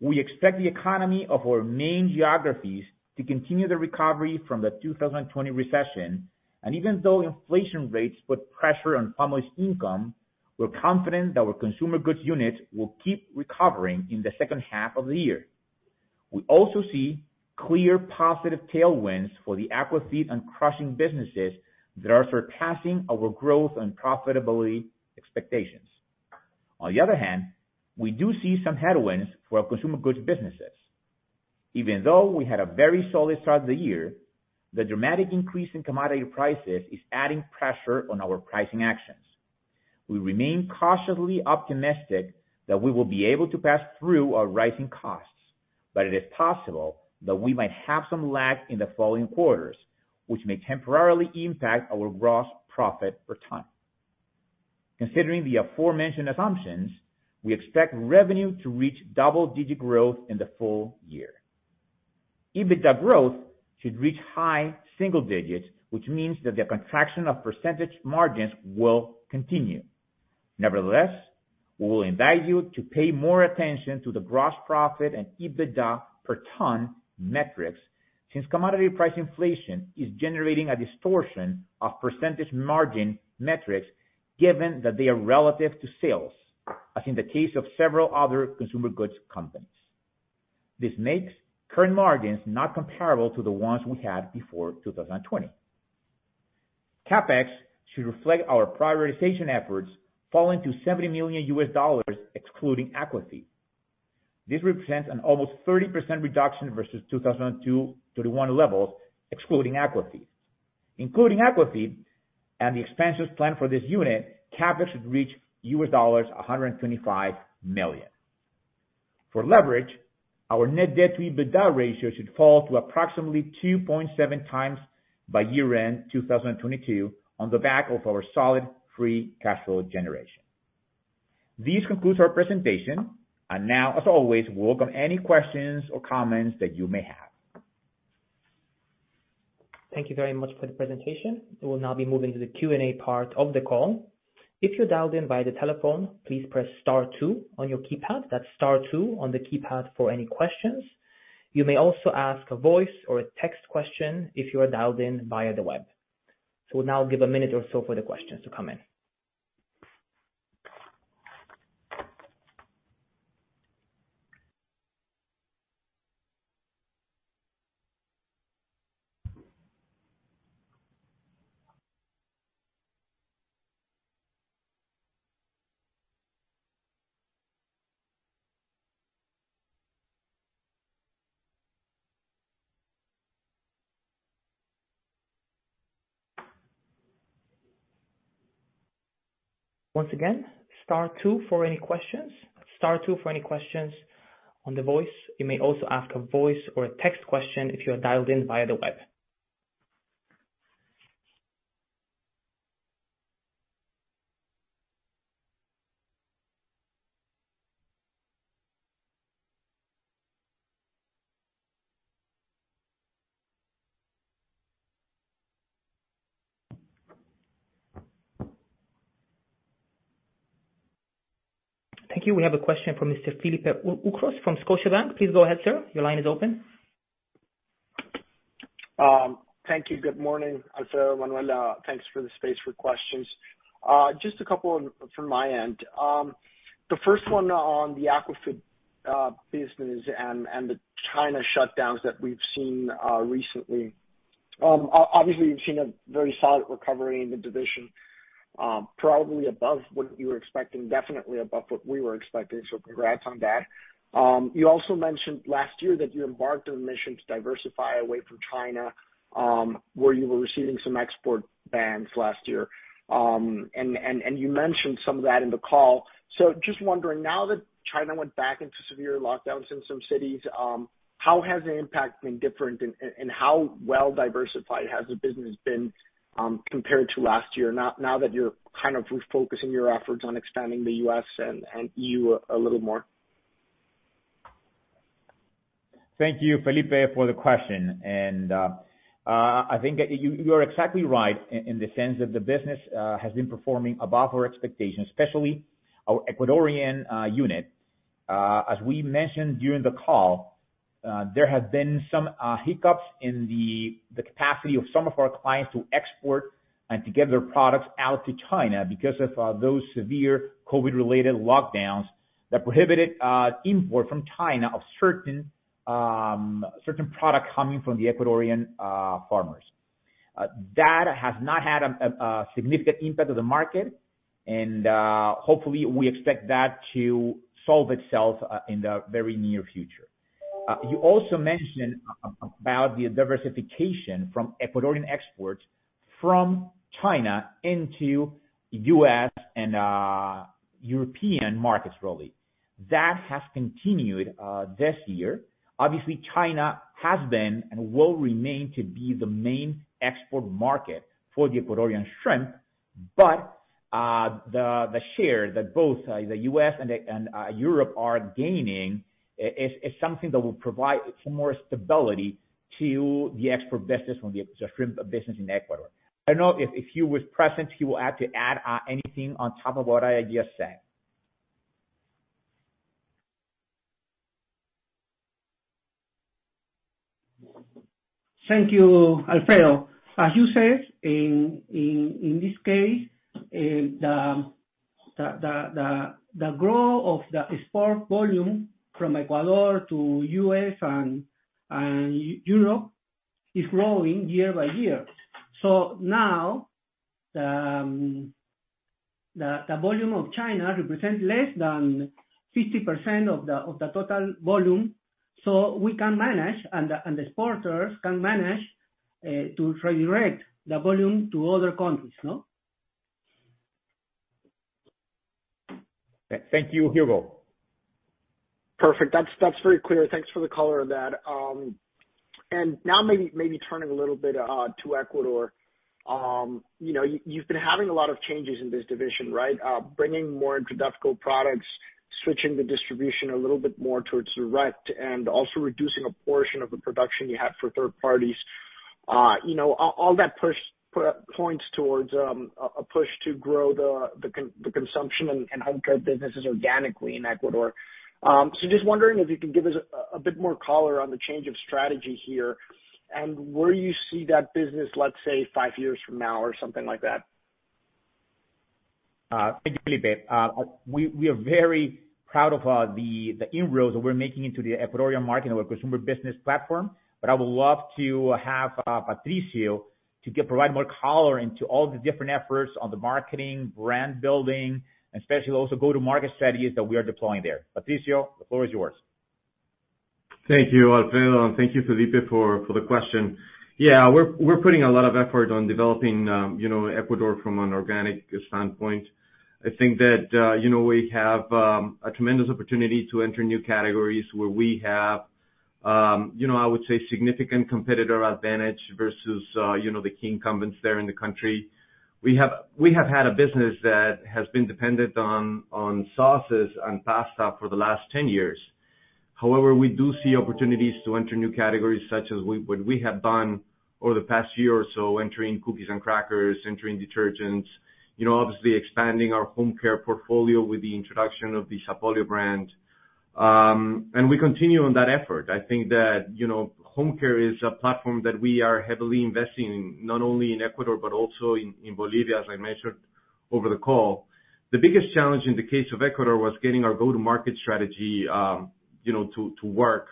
we expect the economy of our main geographies to continue the recovery from the 2020 recession. Even though inflation rates put pressure on families' income, we're confident that our consumer goods units will keep recovering in H2 of the year. We also see clear positive tailwinds for the Aquafeed and crushing businesses that are surpassing our growth and profitability expectations. On the other hand, we do see some headwinds for our consumer goods businesses. Even though we had a very solid start to the year, the dramatic increase in commodity prices is adding pressure on our pricing actions. We remain cautiously optimistic that we will be able to pass through our rising costs, but it is possible that we might have some lag in the following quarters, which may temporarily impact our gross profit per ton. Considering the aforementioned assumptions, we expect revenue to reach double-digit growth in the full year. EBITDA growth should reach high single digits, which means that the contraction of percentage margins will continue. Nevertheless, we will invite you to pay more attention to the gross profit and EBITDA per ton metrics, since commodity price inflation is generating a distortion of percentage margin metrics, given that they are relative to sales, as in the case of several other consumer goods companies. This makes current margins not comparable to the ones we had before 2020. CapEx should reflect our prioritization efforts, falling to $70 million, excluding Aquafeed. This represents an almost 30% reduction versus 2021 levels, excluding Aquafeed. Including Aquafeed and the expenses planned for this unit, CapEx should reach $125 million. For leverage, our net debt to EBITDA ratio should fall to approximately 2.7 times by year-end 2022 on the back of our solid free cash flow generation. This concludes our presentation. Now, as always, we welcome any questions or comments that you may have. Thank you very much for the presentation. We will now be moving to the Q&A part of the call. If you're dialed in via the telephone, please press star two on your keypad. That's star two on the keypad for any questions. You may also ask a voice or a text question if you are dialed in via the web. We'll now give a minute or so for the questions to come in. Once again, star two for any questions. Star two for any questions on the voice. You may also ask a voice or a text question if you are dialed in via the web. Thank you. We have a question from Mr. Felipe Ucros from Scotiabank. Please go ahead, sir. Your line is open. Thank you. Good morning, Alfredo, Manuel. Thanks for the space for questions. Just a couple from my end. The first one on the Aquafeed business and the China shutdowns that we've seen recently. Obviously you've seen a very solid recovery in the division, probably above what you were expecting, definitely above what we were expecting. Congrats on that. You also mentioned last year that you embarked on a mission to diversify away from China, where you were receiving some export bans last year. You mentioned some of that in the call. Just wondering, now that China went back into severe lockdowns in some cities, how has the impact been different and how well diversified has the business been, compared to last year, now that you're kind of refocusing your efforts on expanding the U.S. and E.U. a little more? Thank you, Felipe, for the question. I think you're exactly right in the sense that the business has been performing above our expectations, especially our Ecuadorian unit. As we mentioned during the call, there have been some hiccups in the capacity of some of our clients to export and to get their products out to China because of those severe COVID-related lockdowns that prohibited import from China of certain products coming from the Ecuadorian farmers. That has not had a significant impact on the market and hopefully we expect that to solve itself in the very near future. You also mentioned about the diversification from Ecuadorian exports from China into U.S. and European markets, really. That has continued this year. Obviously, China has been and will remain to be the main export market for the Ecuadorian shrimp. The share that both the U.S. and Europe are gaining is something that will provide some more stability to the export business from the shrimp business in Ecuador. I don't know if Hugo is present. He will have to add anything on top of what I just said. Thank you, Alfredo. As you said, in this case, the growth of the export volume from Ecuador to U.S. and Europe is growing year by year. Now the volume of China represents less than 50% of the total volume, so we can manage, and the exporters can manage to redirect the volume to other countries, no? Thank you, Hugo. Perfect. That's very clear. Thanks for the color on that. Now maybe turning a little bit to Ecuador. You know, you've been having a lot of changes in this division, right? Bringing more introductory products, switching the distribution a little bit more towards direct and also reducing a portion of the production you have for third parties. You know, all that push points towards a push to grow the consumption and homecare businesses organically in Ecuador. Just wondering if you could give us a bit more color on the change of strategy here and where you see that business, let's say, five years from now or something like that. Thank you, Felipe. We are very proud of the inroads that we're making into the Ecuadorian market and our consumer business platform. I would love to have Patricio provide more color into all the different efforts on the marketing, brand building, especially also go-to-market strategies that we are deploying there. Patricio, the floor is yours. Thank you, Alfredo, and thank you, Felipe, for the question. Yeah, we're putting a lot of effort on developing, you know, Ecuador from an organic standpoint. I think that, you know, we have a tremendous opportunity to enter new categories where we have, you know, I would say significant competitor advantage versus, you know, the key incumbents there in the country. We have had a business that has been dependent on sauces and pasta for the last 10 years. However, we do see opportunities to enter new categories such as what we have done over the past year or so, entering cookies and crackers, entering detergents, you know, obviously expanding our home care portfolio with the introduction of the Sapolio brand. We continue on that effort. I think that, you know, home care is a platform that we are heavily investing in, not only in Ecuador, but also in Bolivia, as I mentioned over the call. The biggest challenge in the case of Ecuador was getting our go-to-market strategy, you know, to work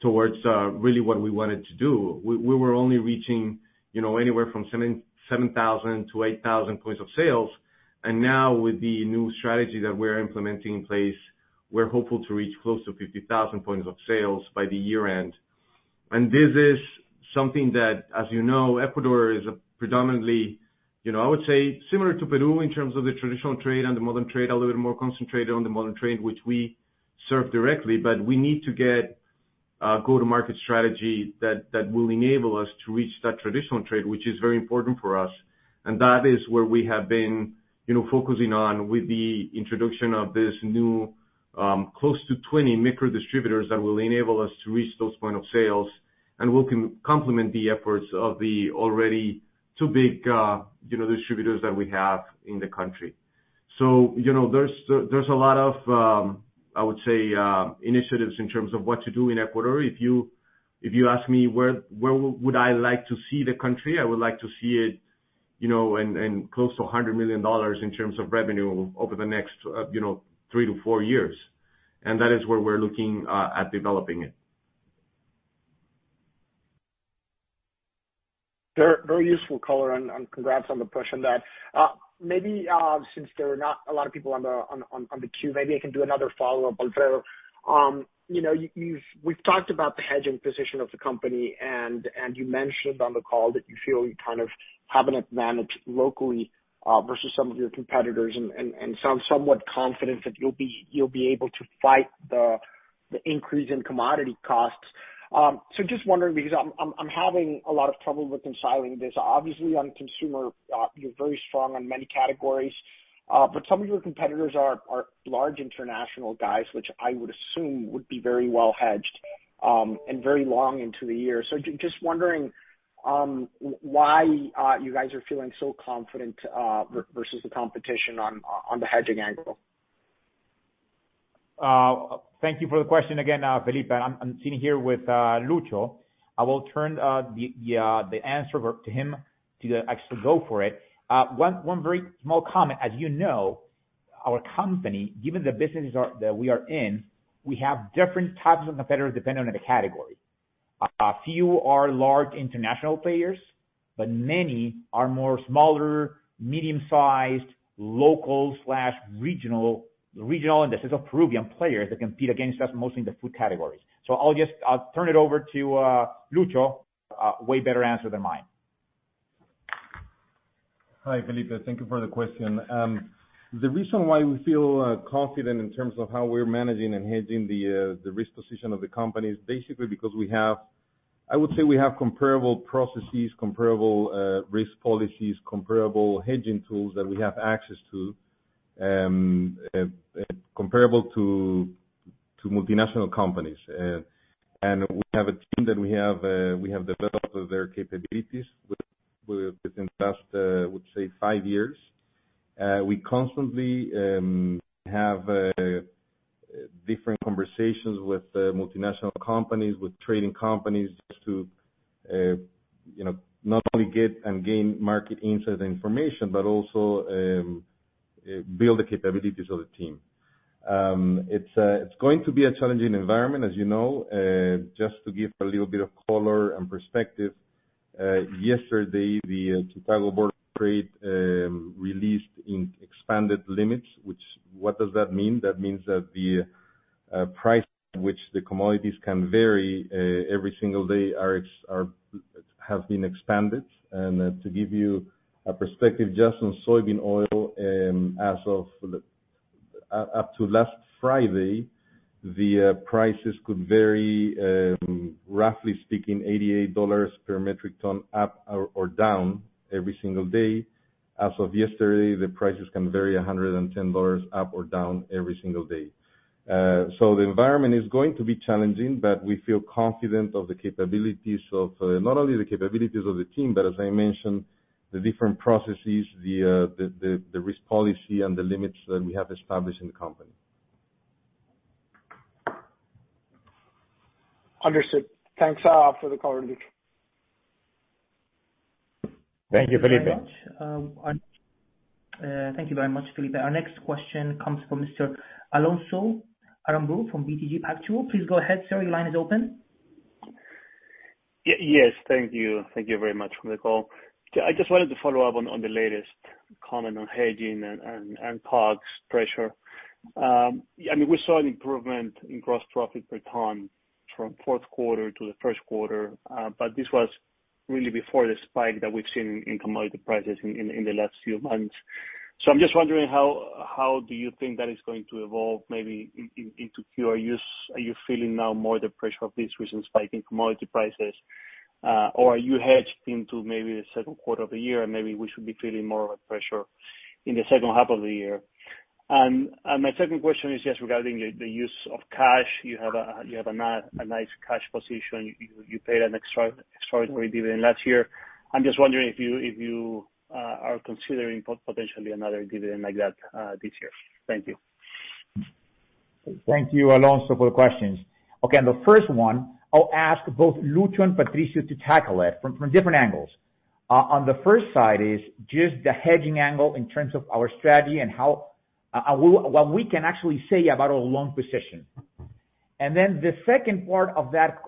towards really what we wanted to do. We were only reaching, you know, anywhere from 7,000 to 8,000 points of sales. Now with the new strategy that we're implementing in place, we're hopeful to reach close to 50,000 points of sales by the year end. This is something that, as you know, Ecuador is a predominantly, you know, I would say similar to Peru in terms of the traditional trade and the modern trade, a little bit more concentrated on the modern trade, which we serve directly. We need to get a go-to-market strategy that will enable us to reach that traditional trade, which is very important for us. That is where we have been, you know, focusing on with the introduction of this new, close to 20 micro-distributors that will enable us to reach those point of sales and will complement the efforts of the already 2 big, you know, distributors that we have in the country. You know, there's a lot of, I would say, initiatives in terms of what to do in Ecuador. If you ask me, where would I like to see the country? I would like to see it, you know, in close to $100 million in terms of revenue over the next, you know, 3-4 years. That is where we're looking at developing it. Very, very useful color and congrats on the push on that. Maybe since there are not a lot of people on the queue, maybe I can do another follow-up. Alfredo, you know, we've talked about the hedging position of the company and you mentioned on the call that you feel you kind of have an advantage locally versus some of your competitors and sound somewhat confident that you'll be able to fight the increase in commodity costs. Just wondering because I'm having a lot of trouble reconciling this. Obviously, on consumer, you're very strong on many categories, but some of your competitors are large international guys, which I would assume would be very well hedged and very long into the year. Just wondering why you guys are feeling so confident versus the competition on the hedging angle? Thank you for the question again, Felipe. I'm sitting here with Luis. I will turn the answer over to him to actually go for it. One very small comment. As you know, our company, given the businesses that we are in, we have different types of competitors depending on the category. A few are large international players, but many are much smaller, medium-sized, local, regional, and this is a Peruvian player that compete against us mostly in the food categories. I'll just turn it over to Luis, way better answer than mine. Hi, Felipe. Thank you for the question. The reason why we feel confident in terms of how we're managing and hedging the risk position of the company is basically because we have I would say we have comparable processes, comparable risk policies, comparable hedging tools that we have access to, comparable to multinational companies. We have a team that we have developed their capabilities within the last I would say five years. We constantly have different conversations with multinational companies, with trading companies to you know not only get and gain market insight information, but also build the capabilities of the team. It's going to be a challenging environment, as you know. Just to give a little bit of color and perspective, yesterday, the Chicago Board of Trade released expanded limits, which, what does that mean? That means that the price which the commodities can vary every single day have been expanded. To give you a perspective, just on soybean oil, as of up to last Friday, the prices could vary, roughly speaking, $88 per metric ton, up or down every single day. As of yesterday, the prices can vary $110 up or down every single day. The environment is going to be challenging, but we feel confident of the capabilities of not only the capabilities of the team, but as I mentioned, the different processes, the risk policy and the limits that we have established in the company. Understood. Thanks, for the color. Thank you, Felipe. Thank you very much, Felipe. Our next question comes from Mr. Alonso Aramburú from BTG Pactual. Please go ahead, sir. Your line is open. Yes. Thank you. Thank you very much for the call. I just wanted to follow up on the latest comment on hedging and COGS pressure. I mean, we saw an improvement in gross profit per ton from Q4 to Q1, but this was really before the spike that we've seen in commodity prices in the last few months. I'm just wondering how do you think that is going to evolve maybe in Q2 or are you feeling now more the pressure of these recent spike in commodity prices? Or are you hedged into maybe Q2 of the year, and maybe we should be feeling more of a pressure in H2 of the year? My second question is just regarding the use of cash. You have a nice cash position. You paid an extraordinary dividend last year. I'm just wondering if you are considering potentially another dividend like that this year. Thank you. Thank you, Alonso, for the questions. Okay. The first one, I'll ask both Luis and Patricio to tackle it from different angles. On one side is just the hedging angle in terms of our strategy and how what we can actually say about our long position. The second part of that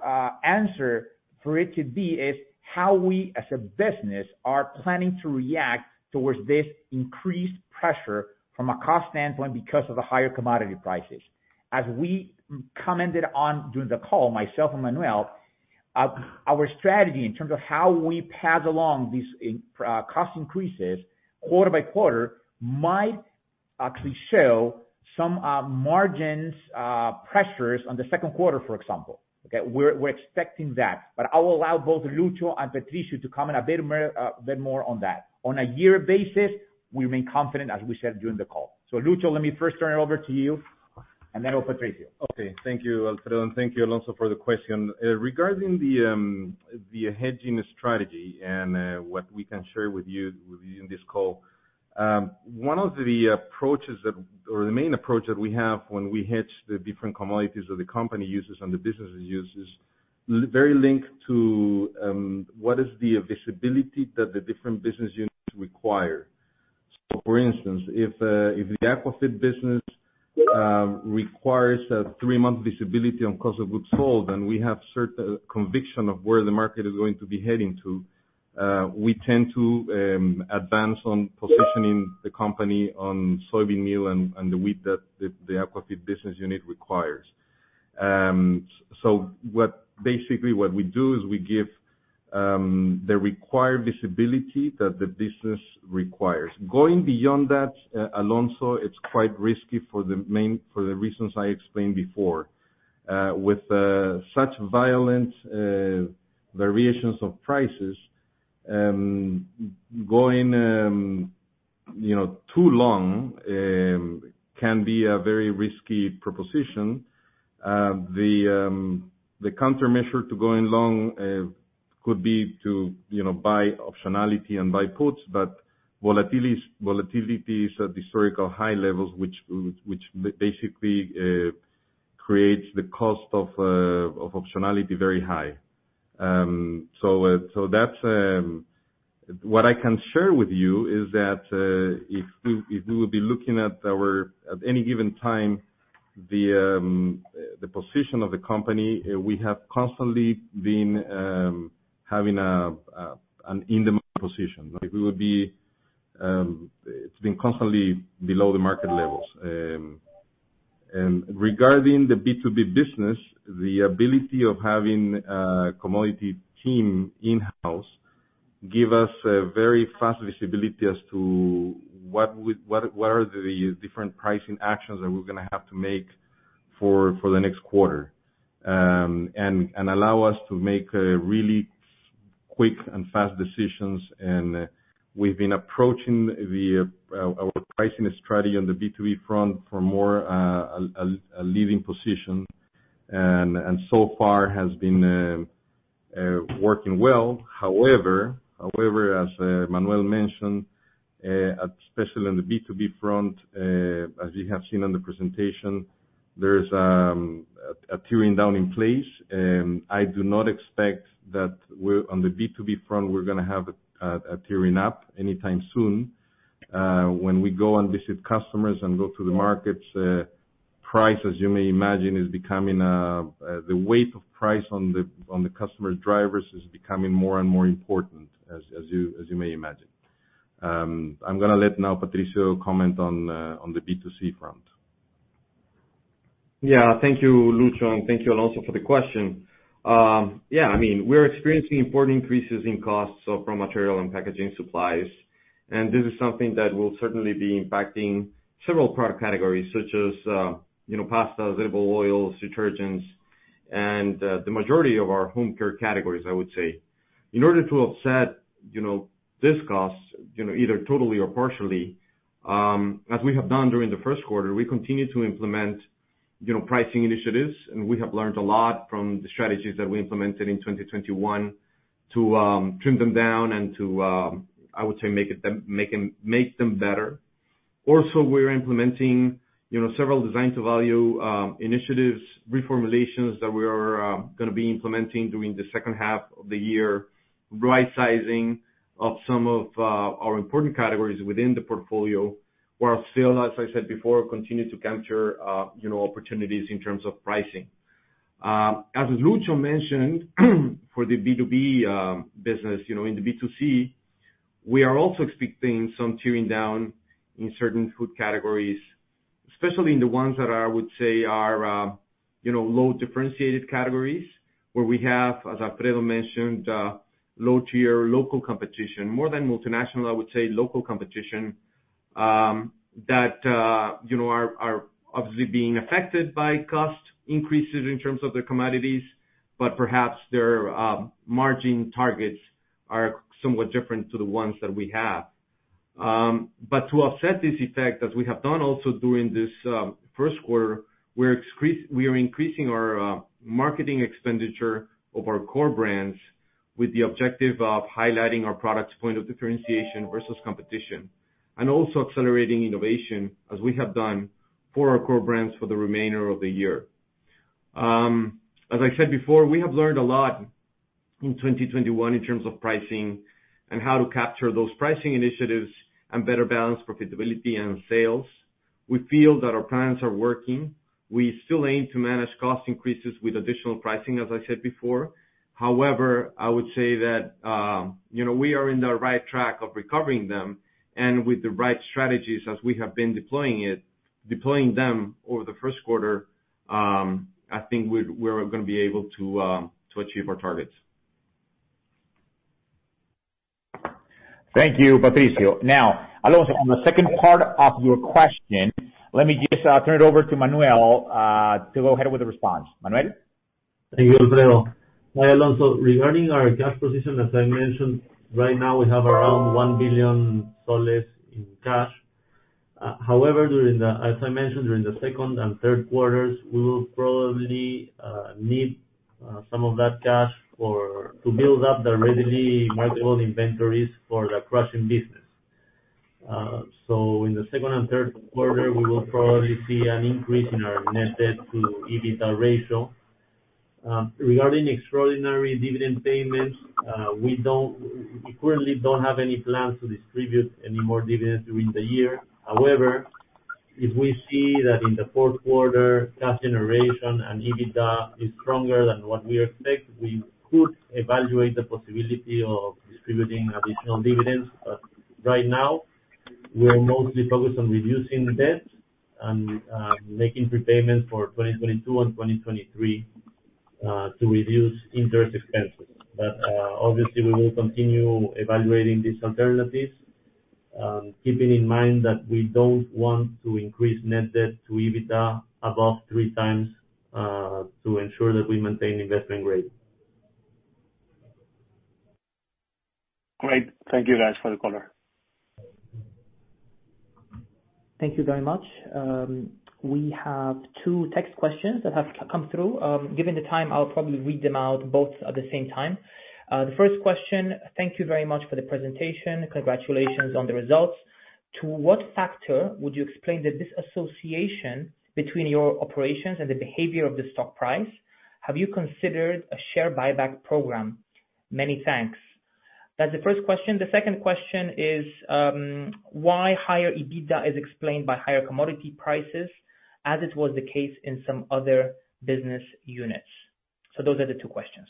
answer is how we as a business are planning to react towards this increased pressure from a cost standpoint because of the higher commodity prices. As we commented on during the call, myself and Manuel, our strategy in terms of how we pass along these cost increases quarter by quarter might actually show some margin pressures on the second quarter, for example. Okay. We're expecting that. I will allow both Luis and Patricio to comment a bit more on that. On a yearly basis, we remain confident, as we said during the call. Luis, let me first turn it over to you. Patricio. Okay. Thank you, Alfredo, and thank you Alonso, for the question. Regarding the hedging strategy and what we can share with you in this call. One of the approaches or the main approach that we have when we hedge the different commodities that the company uses and the businesses use is very linked to what is the visibility that the different business units require. For instance, if the Aquafeed business requires a 3-month visibility on cost of goods sold, and we have conviction of where the market is going to be heading to, we tend to advance on positioning the company on soybean meal and the wheat that the Aquafeed business unit requires. Basically what we do is we give the required visibility that the business requires. Going beyond that, Alonso, it's quite risky for the reasons I explained before. With such violent variations of prices, going, you know, too long can be a very risky proposition. The countermeasure to going long could be to, you know, buy optionality and buy puts, but volatility is at historical high levels, which basically creates the cost of optionality very high. So that's what I can share with you is that if we would be looking at our, at any given time, the position of the company, we have constantly been having an in-demand position, like we would be, it's been constantly below the market levels. Regarding the B2B business, the ability of having a commodity team in-house give us a very fast visibility as to what are the different pricing actions that we're gonna have to make for the next quarter and allow us to make really quick and fast decisions. We've been approaching our pricing strategy on the B2B front for a leading position and so far has been working well. However, as Manuel mentioned, especially on the B2B front, as you have seen on the presentation, there's a tiering down in place. I do not expect that on the B2B front, we're gonna have a tiering up anytime soon. When we go and visit customers and go through the markets, price, as you may imagine, is becoming the weight of price on the customer's drivers is becoming more and more important as you may imagine. I'm gonna let now Patricio comment on the B2C front. Yeah. Thank you, Luis Estrada Rondón, and thank you Alonso Aramburú for the question. Yeah, I mean, we're experiencing important increases in costs of raw material and packaging supplies. This is something that will certainly be impacting several product categories such as, you know, pastas, edible oils, detergents, and the majority of our home care categories, I would say. In order to offset, you know, this cost, you know, either totally or partially, as we have done during Q1, we continue to implement, you know, pricing initiatives. We have learned a lot from the strategies that we implemented in 2021 to trim them down and to, I would say, make them better. Also, we're implementing, you know, several design to value initiatives, reformulations that we are gonna be implementing during H2 of the year. Right sizing of some of our important categories within the portfolio, while still, as I said before, continue to capture you know opportunities in terms of pricing. As Luis mentioned, for the B2B business, you know, in the B2C, we are also expecting some tiering down in certain food categories, especially in the ones that I would say are you know low differentiated categories, where we have, as Alfredo mentioned, low-tier local competition, more than multinational, I would say, local competition that you know are obviously being affected by cost increases in terms of their commodities. Perhaps their margin targets are somewhat different to the ones that we have. To offset this effect, as we have done also during this Q1, we are increasing our marketing expenditure of our core brands with the objective of highlighting our product's point of differentiation versus competition. Also accelerating innovation as we have done for our core brands for the remainder of the year. As I said before, we have learned a lot in 2021 in terms of pricing and how to capture those pricing initiatives and better balance profitability and sales. We feel that our plans are working. We still aim to manage cost increases with additional pricing, as I said before. However, I would say that, you know, we are in the right track of recovering them and with the right strategies as we have been deploying them over the first quarter, I think we're gonna be able to achieve our targets. Thank you, Patricio. Now, Alonso, on the second part of your question, let me just turn it over to Manuel to go ahead with the response. Manuel? Thank you, Alfredo. Hi, Alonso. Regarding our cash position, as I mentioned, right now we have around PEN 1 billion in cash. However, as I mentioned, during Q2 and Q3, we will probably need some of that cash to build up the readily marketable inventories for the crushing business. In Q2 and Q3, we will probably see an increase in our net debt to EBITDA ratio. Regarding extraordinary dividend payments, we currently don't have any plans to distribute any more dividends during the year. However, if we see that in Q4, cash generation and EBITDA is stronger than what we expect, we could evaluate the possibility of distributing additional dividends. Right now, we are mostly focused on reducing debt and making prepayments for 2022 and 2023 to reduce interest expenses. Obviously, we will continue evaluating these alternatives, keeping in mind that we don't want to increase net debt to EBITDA above 3 times to ensure that we maintain investment grade. Great. Thank you, guys, for the color. Thank you very much. We have two text questions that have come through. Given the time, I'll probably read them out both at the same time. The first question: Thank you very much for the presentation. Congratulations on the results. To what factor would you explain the disassociation between your operations and the behavior of the stock price? Have you considered a share buyback program? Many thanks. That's the first question. The second question is: Why higher EBITDA is explained by higher commodity prices, as it was the case in some other business units? Those are the two questions.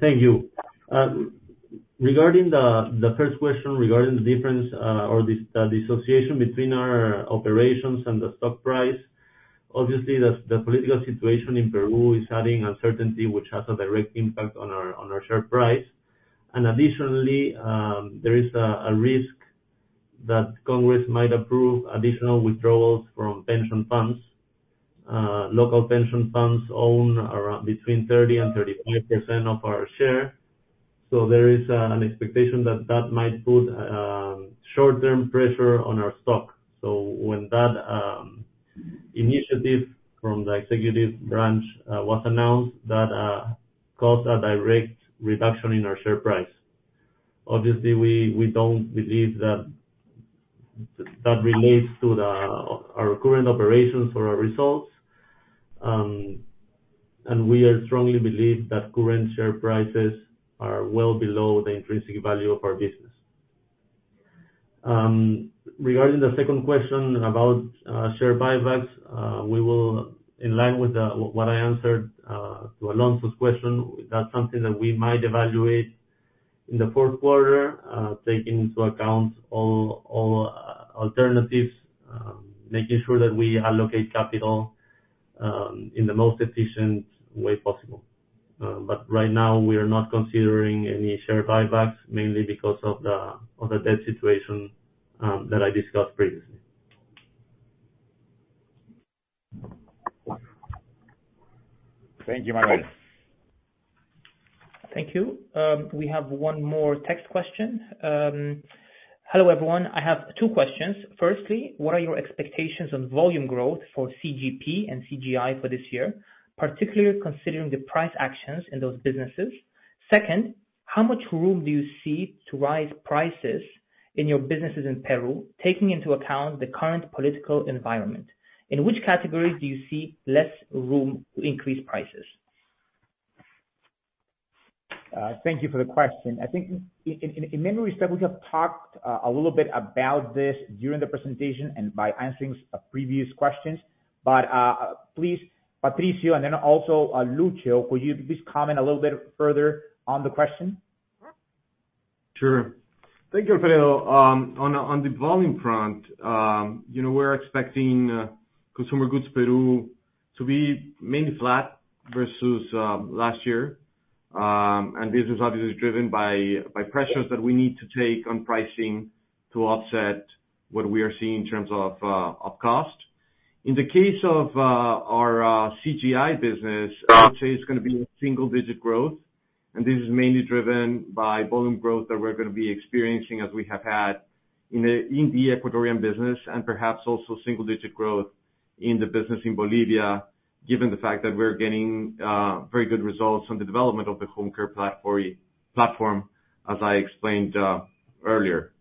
Thank you. Regarding the first question, regarding the difference or disassociation between our operations and the stock price. Obviously, the political situation in Peru is adding uncertainty, which has a direct impact on our share price. Additionally, there is a risk that Congress might approve additional withdrawals from pension funds. Local pension funds own between 30% and 35% of our share. There is an expectation that that might put short-term pressure on our stock. When that initiative from the executive branch was announced, that caused a direct reduction in our share price. Obviously, we don't believe that that relates to our current operations or our results. We strongly believe that current share prices are well below the intrinsic value of our business. Regarding the second question about share buybacks, in line with what I answered to Alonso's question, that's something that we might evaluate in Q4, taking into account all alternatives, making sure that we allocate capital in the most efficient way possible. But right now, we are not considering any share buybacks, mainly because of the debt situation that I discussed previously. Thank you, Manuel. Thank you. We have one more text question: Hello, everyone. I have two questions. Firstly, what are your expectations on volume growth for CGP and CGI for this year, particularly considering the price actions in those businesses? Second, how much room do you see to rise prices in your businesses in Peru, taking into account the current political environment? In which category do you see less room to increase prices? Thank you for the question. I think, for memory's sake, we have talked a little bit about this during the presentation and by answering previous questions. Please, Patricio, and then also, Lucio, could you please comment a little bit further on the question? Sure. Thank you, Alfredo. On the volume front, you know, we're expecting Consumer Goods Peru to be mainly flat versus last year. This is obviously driven by pressures that we need to take on pricing to offset what we are seeing in terms of cost. In the case of our CGI business, I would say it's gonna be a single-digit growth, and this is mainly driven by volume growth that we're gonna be experiencing as we have had in the Ecuadorian business, and perhaps also single digit growth in the business in Bolivia, given the fact that we're getting very good results on the development of the home care platform, as I explained earlier.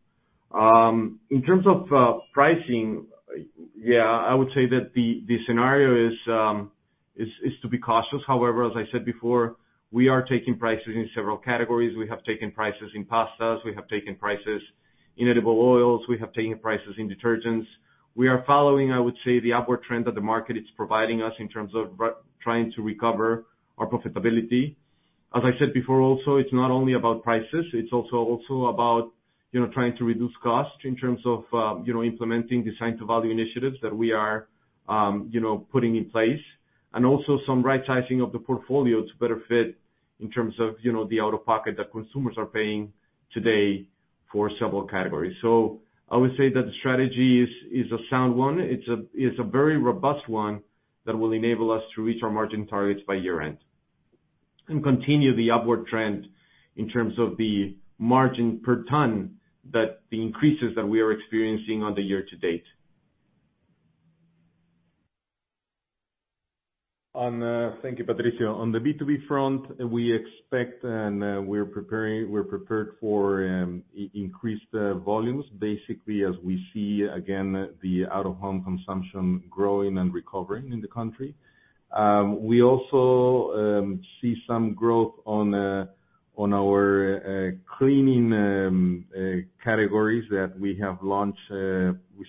In terms of pricing, yeah, I would say that the scenario is to be cautious. However, as I said before, we are taking prices in several categories. We have taken prices in pastas. We have taken prices in edible oils. We have taken prices in detergents. We are following, I would say, the upward trend that the market is providing us in terms of trying to recover our profitability. As I said before, also, it's not only about prices, it's also about you know, trying to reduce costs in terms of you know, implementing design to value initiatives that we are you know, putting in place. Also some right sizing of the portfolio to better fit in terms of you know, the out-of-pocket that consumers are paying today for several categories. I would say that the strategy is a sound one. It's a very robust one that will enable us to reach our margin targets by year-end, and continue the upward trend in terms of the margin per ton, that the increases that we are experiencing on the year-to-date. Thank you, Patricio. On the B2B front, we expect and we're prepared for increased volumes basically as we see again the out-of-home consumption growing and recovering in the country. We also see some growth on our cleaning categories that we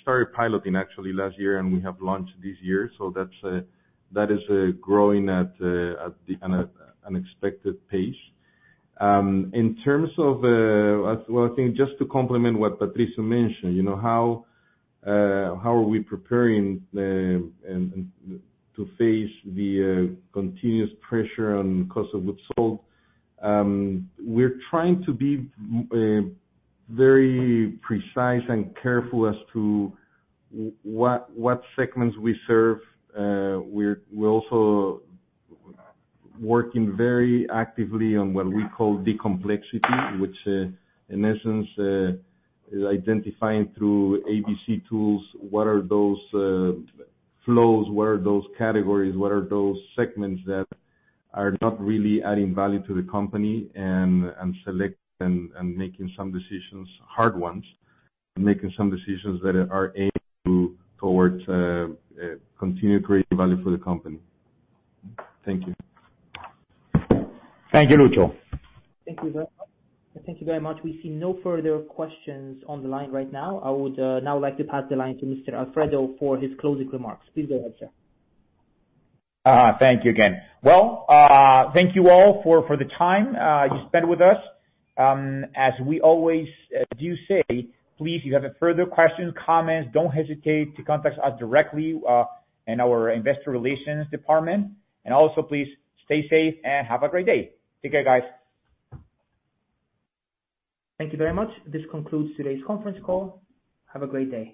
started piloting actually last year, and we have launched this year. That is growing at an unexpected pace. Well, I think just to complement what Patricio mentioned, you know, how are we preparing to face the continuous pressure on cost of goods sold. We're trying to be very precise and careful as to what segments we serve. We're also working very actively on what we call de-complexity, which in essence is identifying through ABC analysis what are those flows? Where are those categories? What are those segments that are not really adding value to the company and select and making some decisions, hard ones, and making some decisions that are aimed towards continue creating value for the company. Thank you. Thank you, Luis. Thank you very much. We see no further questions on the line right now. I would now like to pass the line to Mr. Alfredo Perez for his closing remarks. Please go ahead, sir. Thank you again. Well, thank you all for the time you spent with us. As we always do say, please, if you have further questions, comments, don't hesitate to contact us directly in our investor relations department. Please stay safe and have a great day. Take care, guys. Thank you very much. This concludes today's conference call. Have a great day.